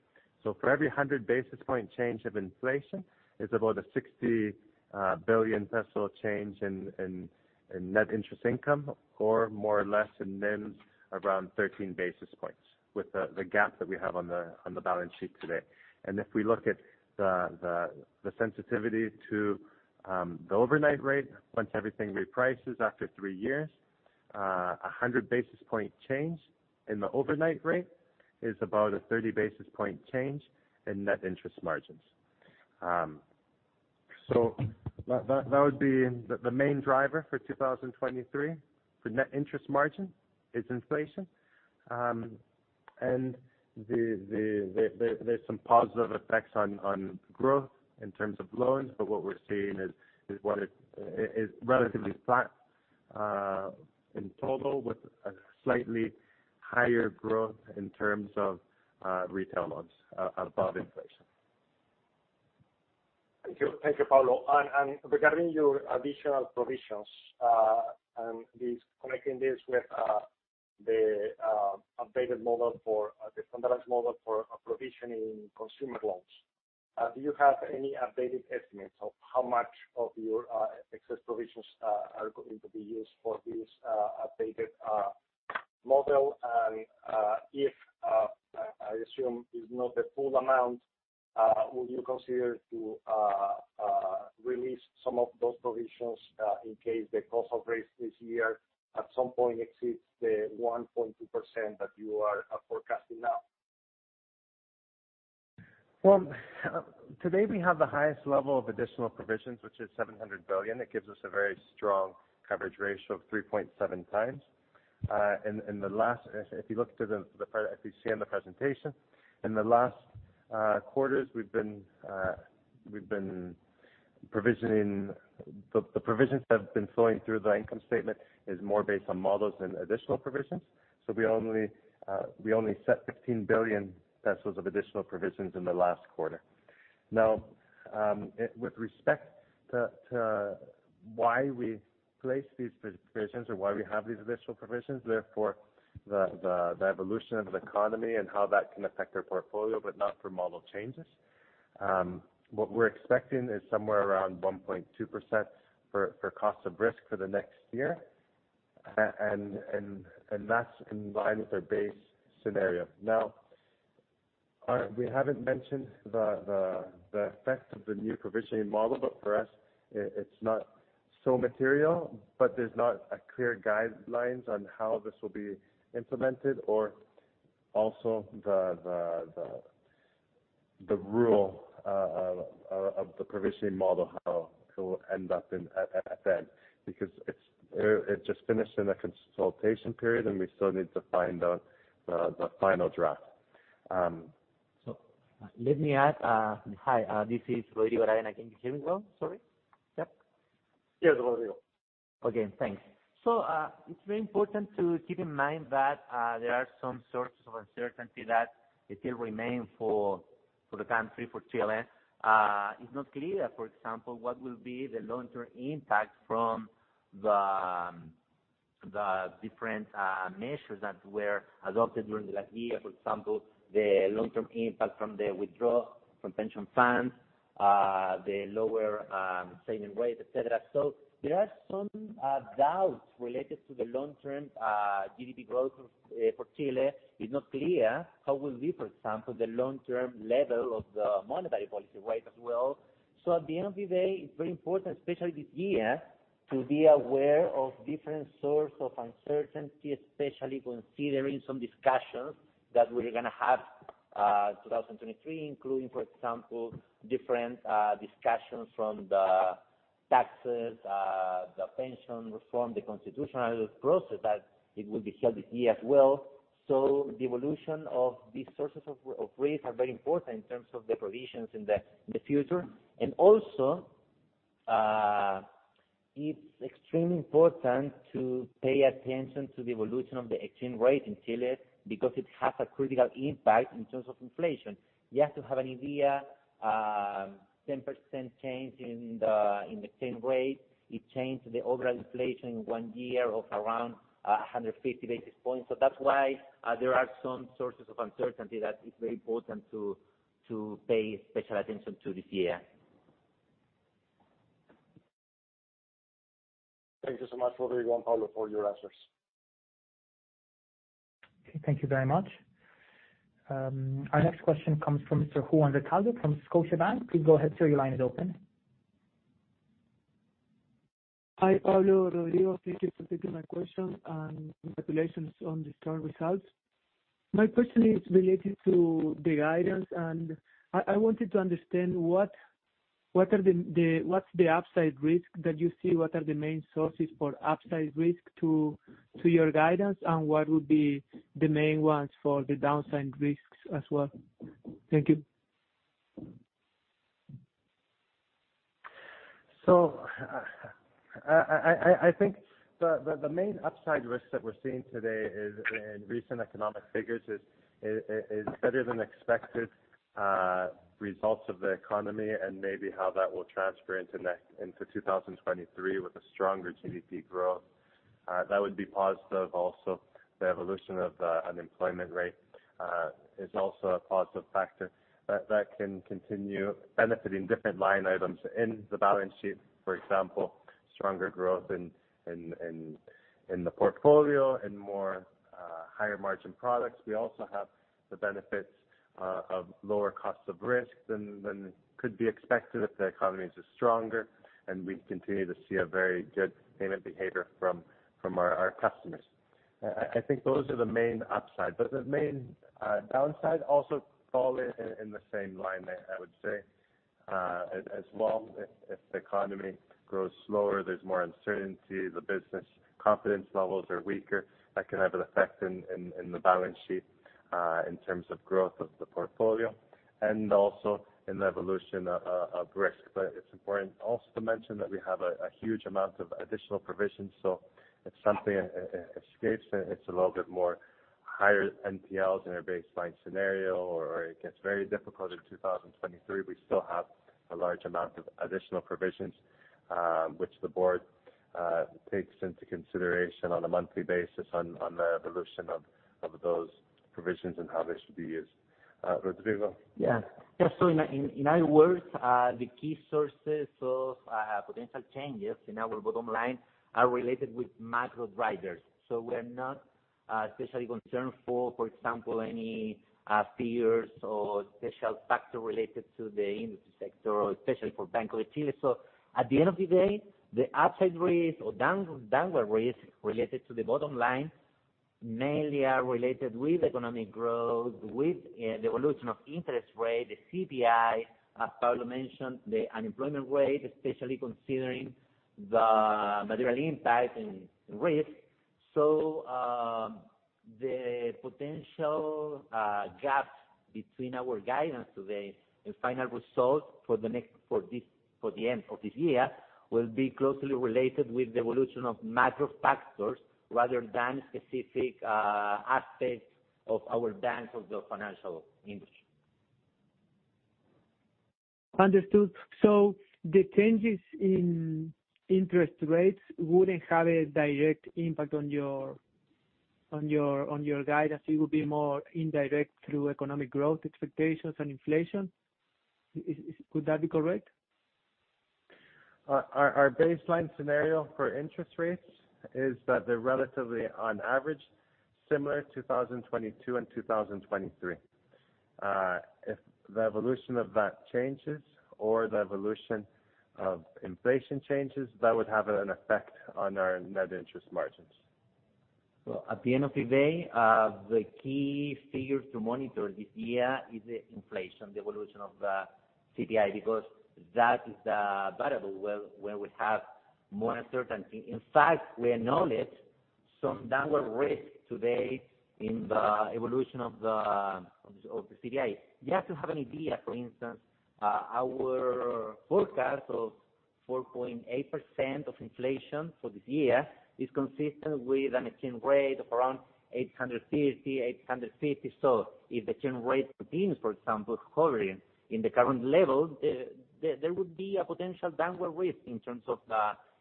S3: For every 100 basis point change of inflation, it's about a 60 billion peso change in net interest income, or more or less in NIM around 13 basis points with the gap that we have on the balance sheet today. If we look at the sensitivity to the overnight rate, once everything reprices after 3 years, a 100 basis point change in the overnight rate is about a 30 basis point change in net interest margins. That would be the main driver for 2023 for net interest margin is inflation. There's some positive effects on growth in terms of loans, but what we're seeing is relatively flat in total, with a slightly higher growth in terms of retail loans above inflation.
S6: Thank you. Thank you, Pablo. Regarding your additional provisions, connecting this with the updated model for the standardized model for provisioning consumer loans, do you have any updated estimates of how much of your excess provisions are going to be used for this updated model? If I assume it's not the full amount, would you consider to release some of those provisions in case the cost of risk this year at some point exceeds the 1.2% that you are forecasting now?
S3: Today we have the highest level of additional provisions, which is 700 billion. It gives us a very strong coverage ratio of 3.7 times. If you look to the, if you see on the presentation, in the last quarters, we've been provisioning. The provisions have been flowing through the income statement is more based on models than additional provisions. We only set 15 billion pesos of additional provisions in the last quarter. With respect to why we place these provisions or why we have these additional provisions, they are for the evolution of the economy and how that can affect our portfolio, but not for model changes. What we're expecting is somewhere around 1.2% for cost of risk for the next year, and that's in line with our base scenario. Now, we haven't mentioned the effect of the new provisioning model, but for us, it's not so material. There's not a clear guidelines on how this will be implemented or also the rule of the provisioning model, how it will end up at the end, because it just finished in a consultation period, and we still need to find out the final draft.
S2: Let me add. Hi, this is Rodrigo Aravena. Can you hear me well, sorry? Yep.
S6: Yes, Rodrigo.
S2: Okay, thanks. It's very important to keep in mind that there are some sources of uncertainty that still remain for the country, for Chile. It's not clear, for example, what will be the long-term impact from the different measures that were adopted during the last year. For example, the long-term impact from the withdrawal from pension funds, the lower saving rate, et cetera. There are some doubts related to the long-term GDP growth for Chile. It's not clear how will be, for example, the long-term level of the monetary policy rate as well. At the end of the day, it's very important, especially this year, to be aware of different source of uncertainty, especially considering some discussions that we are gonna have 2023, including, for example, different discussions from the taxes, the pension reform, the constitutional process that it will be held this year as well. The evolution of these sources of risk are very important in terms of the provisions in the future. And also, it's extremely important to pay attention to the evolution of the exchange rate in Chile because it has a critical impact in terms of inflation. You have to have an idea, 10% change in the same rate, it changed the overall inflation in one year of around 150 basis points. That's why, there are some sources of uncertainty that it's very important to pay special attention to this year.
S6: Thank you so much, Rodrigo and Pablo, for your answers.
S1: Okay, thank you very much. Our next question comes from Mr. Juan Recalde from Scotiabank. Please go ahead, Sir. Your line is open.
S7: Hi, Pablo, Rodrigo. Congratulations on the strong results. My question is related to the guidance. I wanted to understand what's the upside risk that you see, what are the main sources for upside risk to your guidance and what would be the main ones for the downside risks as well? Thank you.
S3: I think the main upside risk that we're seeing today is in recent economic figures is better than expected results of the economy and maybe how that will transfer into 2023 with a stronger GDP growth. That would be positive also. The evolution of unemployment rate is also a positive factor that can continue benefiting different line items in the balance sheet. For example, stronger growth in the portfolio, in more higher margin products. We also have the benefits of lower cost of risk than could be expected if the economies are stronger, and we continue to see a very good payment behavior from our customers. I think those are the main upside. The main downside also fall in the same line item, I would say. As well, if the economy grows slower, there's more uncertainty, the business confidence levels are weaker, that can have an effect in the balance sheet in terms of growth of the portfolio and also in the evolution of risk. It's important also to mention that we have a huge amount of additional provisions, so if something escapes it's a little bit more higher NPLs in our baseline scenario or it gets very difficult in 2023, we still have a large amount of additional provisions, which the board takes into consideration on a monthly basis on the evolution of those provisions and how they should be used. Rodrigo.
S2: Yeah. Yeah. In other words, the key sources of potential changes in our bottom line are related with macro drivers. We're not especially concerned for example, any fears or special factor related to the industry sector or especially for Banco de Chile. At the end of the day, the upside risk or downward risk related to the bottom line mainly are related with economic growth, with the evolution of interest rate, the CPI, as Pablo mentioned, the unemployment rate, especially considering the material impact and risk. The potential gaps between our guidance today and final results for the end of this year, will be closely related with the evolution of macro factors rather than specific aspects of our bank or the financial industry.
S7: Understood. So the changes in interest rates wouldn't have a direct impact on your guidance. It would be more indirect through economic growth expectations and inflation. Could that be correct?
S3: Our baseline scenario for interest rates is that they're relatively on average similar to 2022 and 2023. If the evolution of that changes or the evolution of inflation changes, that would have an effect on our net interest margins.
S2: At the end of the day, the key figures to monitor this year is the inflation, the evolution of CPI, because that is the variable where we have more uncertainty. In fact, we acknowledge some downward risk today in the evolution of the CPI. Just to have an idea, for instance, our forecast of 4.8% of inflation for this year is consistent with an exchange rate of around 850. If the exchange rate continues, for example, hovering in the current level, there would be a potential downward risk in terms of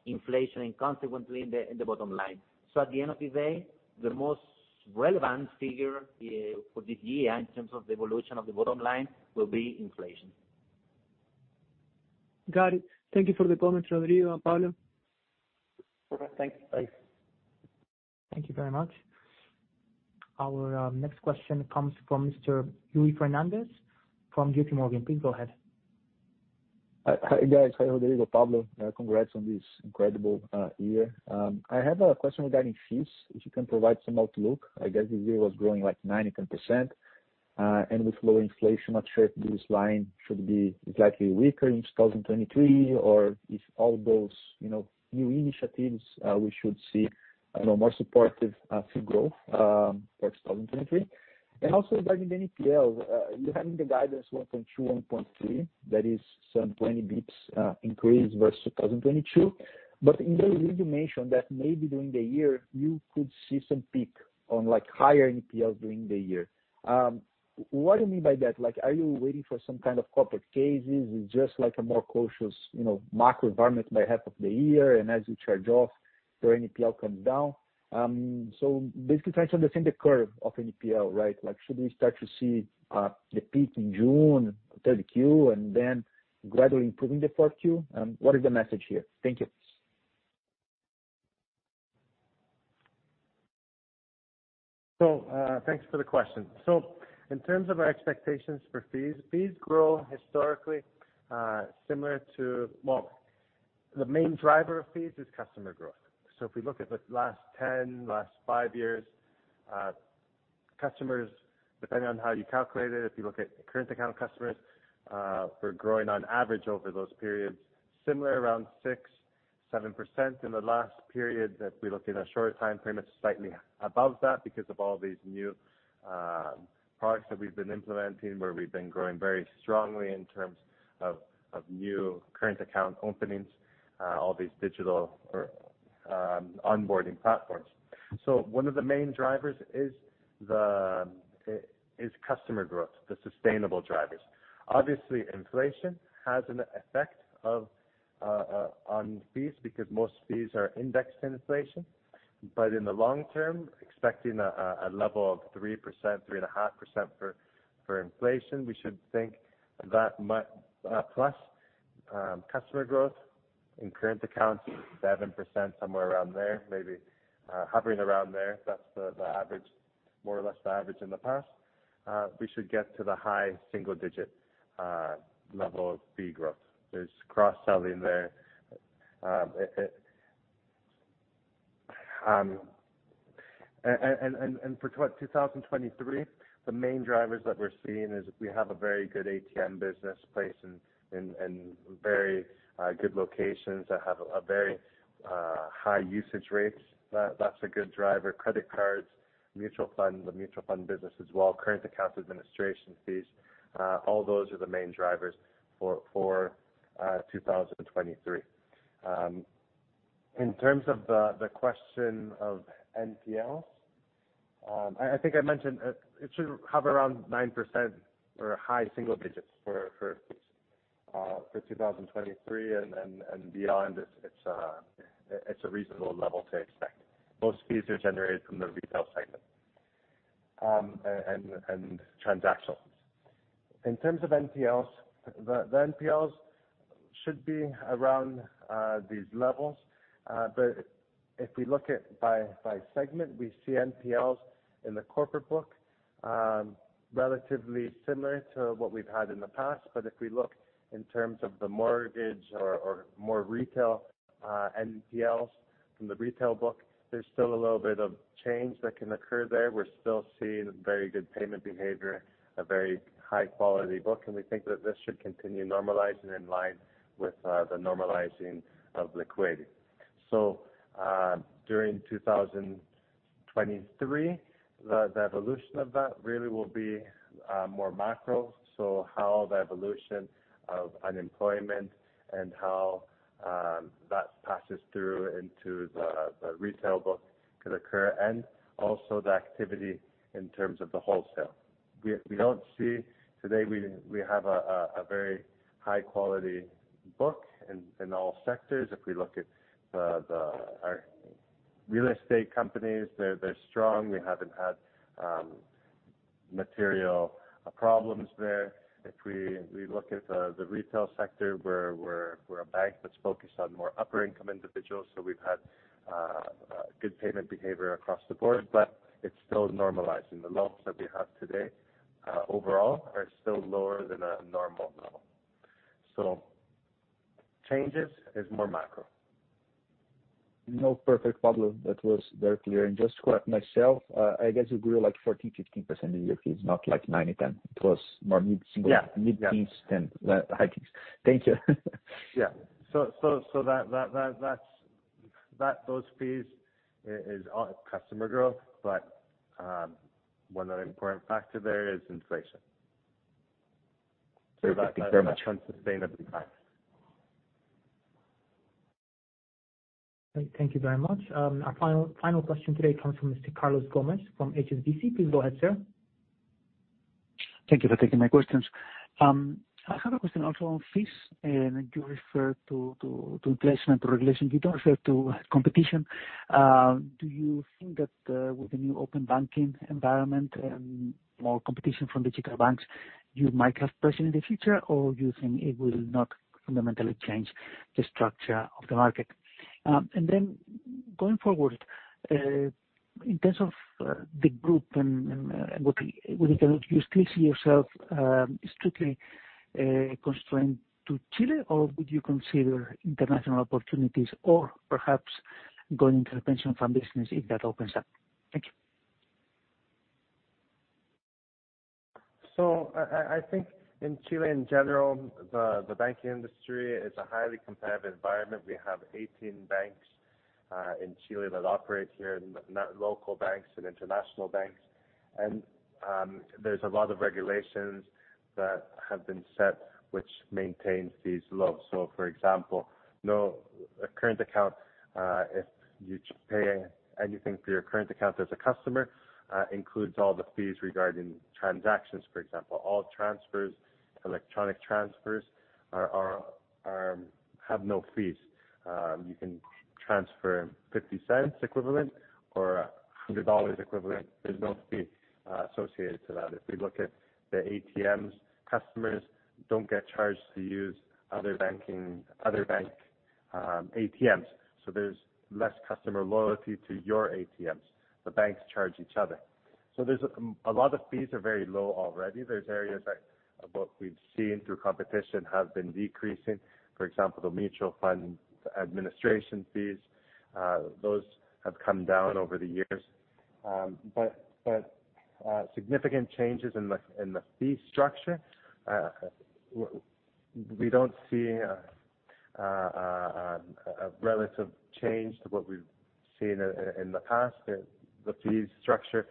S2: the inflation and consequently in the bottom line. At the end of the day, the most relevant figure for this year in terms of the evolution of the bottom line will be inflation.
S7: Got it. Thank you for the comments, Rodrigo and Pablo.
S2: All right. Thank you. Bye.
S1: Thank you very much. Our next question comes from Mr. Yuri Fernandes from J.P. Morgan. Please go ahead.
S8: Hi, guys. Hi, Rodrigo, Pablo. Congrats on this incredible year. I have a question regarding fees, if you can provide some outlook. I guess this year was growing like 9%-10%. And with low inflation, I'm sure this line should be slightly weaker in 2023, or if all those, you know, new initiatives, we should see, I don't know, more supportive fee growth for 2023. Also regarding the NPL, you have the guidance 1.2%-1.3%, that is some 20 basis points increase versus 2022. In there you mentioned that maybe during the year you could see some peak on like higher NPL during the year. What do you mean by that? Are you waiting for some kind of corporate cases, or just like a more cautious, you know, macro environment by half of the year, and as you charge off your NPL comes down? Basically trying to understand the curve of NPL, right? Like should we start to see the peak in June, third Q, and then gradually improving the fourth Q? What is the message here? Thank you.
S3: Thanks for the question. In terms of our expectations for fees grow historically, similar to well, the main driver of fees is customer growth. If we look at the last 10, last 5 years, customers, depending on how you calculate it, if you look at current account customers, we're growing on average over those periods, similar around 6%, 7% in the last period that we looked at a shorter time frame, it's slightly above that because of all these new products that we've been implementing where we have been growing very strongly in terms of new current account openings, all these digital or onboarding platforms. One of the main drivers is the, is customer growth, the sustainable drivers. Obviously, inflation has an effect of on fees because most fees are indexed to inflation. In the long term, expecting a level of 3%, 3.5% for inflation, we should think that might plus customer growth in current accounts, 7%, somewhere around there, maybe hovering around there. That's the average, more or less the average in the past. We should get to the high single digit level of fee growth. There's cross-selling there. It... and for 2023, the main drivers that we are seeing is we have a very good ATM business placed in very good locations that have a very high usage rates. That's a good driver. Credit cards, mutual funds, the mutual fund business as well, current account administration fees, all those are the main drivers for 2023. In terms of the question of NPLs, I think I mentioned it should hover around 9% or high single digits for 2023 and beyond. It's a reasonable level to expect. Most fees are generated from the retail segment and transactionals. In terms of NPLs should be around these levels. If we look at by segment, we see NPLs in the corporate book relatively similar to what we've had in the past. If we look in terms of the mortgage or more retail NPLs from the retail book, there's still a little bit of change that can occur there. We're still seeing very good payment behavior, a very high quality book, and we think that this should continue normalizing in line with the normalizing of liquidity. During 2023, the evolution of that really will be more macro. How the evolution of unemployment and how that passes through into the retail book could occur and also the activity in terms of the wholesale. Today we have a very high quality book in all sectors. If we look at our real estate companies, they're strong. We haven't had material problems there. If we look at the retail sector, we are a bank that's focused on more upper income individuals, so we've had good payment behavior across the board. It's still normalizing. The loans that we have today, overall are still lower than a normal level. Changes is more macro.
S8: No perfect problem. That was very clear. Just to correct myself, I guess you grew like 14%, 15% in your fees, not like 9 or 10. It was more mid-single-
S3: Yeah.
S8: Mid-teens than high teens. Thank you.
S3: Yeah. Those fees are customer growth, but, one other important factor there is inflation.
S8: Thank you very much.
S3: That's on sustainable price.
S1: Thank you very much. Our final question today comes from Mr. Carlos Gomez-Lopez from HSBC. Please go ahead, sir.
S9: Thank you for taking my questions. I have a question also on fees. You referred to inflation and regulation. You don't refer to competition. Do you think with the new open banking environment and more competition from digital banks, you might have pressure in the future, or you think it will not fundamentally change the structure of the market? Going forward, in terms of the group, do you still see yourself strictly constrained to Chile or would you consider international opportunities or perhaps going into the pension fund business if that opens up? Thank you.
S3: I think in Chile in general, the banking industry is a highly competitive environment. We have 18 banks in Chile that operate here, local banks and international banks. There's a lot of regulations that have been set which maintains these lows. For example, no current account, if you pay anything for your current account as a customer, includes all the fees regarding transactions. For example, all transfers, electronic transfers are no fees. You can transfer $0.50 equivalent or $100 equivalent. There's no fee associated to that. If we look at the ATMs, customers don't get charged to use other bank ATMs, there's less customer loyalty to your ATMs. The banks charge each other. There's a lot of fees are very low already. There's areas that what we've seen through competition have been decreasing. For example, the mutual fund administration fees, those have come down over the years. Significant changes in the fee structure, we don't see a relative change to what we've seen in the past. The fee structure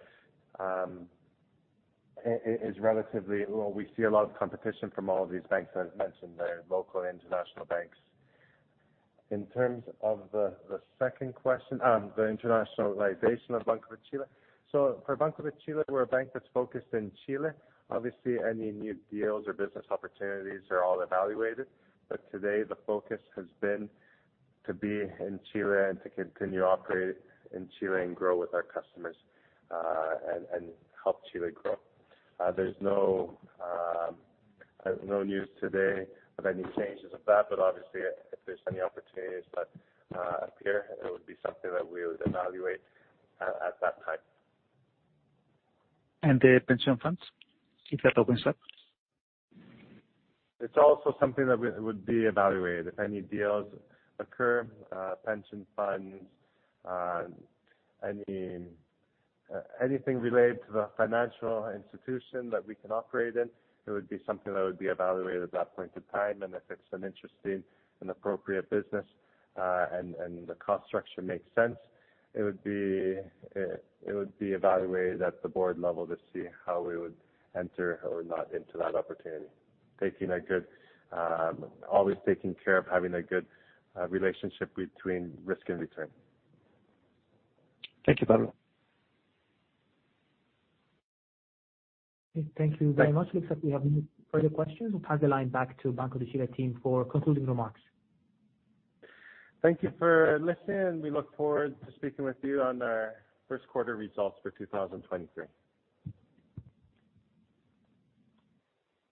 S3: is relatively low. We see a lot of competition from all of these banks that I've mentioned, the local and international banks. In terms of the second question, the internationalization of Banco de Chile. For Banco de Chile, we're a bank that's focused in Chile. Obviously, any new deals or business opportunities are all evaluated, but today the focus has been to be in Chile and to continue to operate in Chile and grow with our customers, and help Chile grow. There's no no news today of any changes of that, but obviously if there's any opportunities that appear, it would be something that we would evaluate at that time.
S9: The pension funds, if that opens up?
S3: It's also something that would be evaluated. If any deals occur, pension funds, anything related to the financial institution that we can operate in, it would be something that would be evaluated at that point in time. If it's an interesting and appropriate business, and the cost structure makes sense, it would be evaluated at the board level to see how we would enter or not into that opportunity. Taking a good, always taking care of having a good relationship between risk and return.
S9: Thank you, Pablo.
S1: Okay. Thank you very much.
S3: Thank you.
S1: Looks like we have no further questions. We'll turn the line back to Banco de Chile team for concluding remarks.
S3: Thank you for listening. We look forward to speaking with you on our first quarter results for 2023.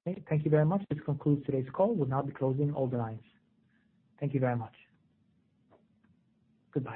S1: Okay. Thank you very much. This concludes today's call. We'll now be closing all the lines. Thank you very much. Goodbye.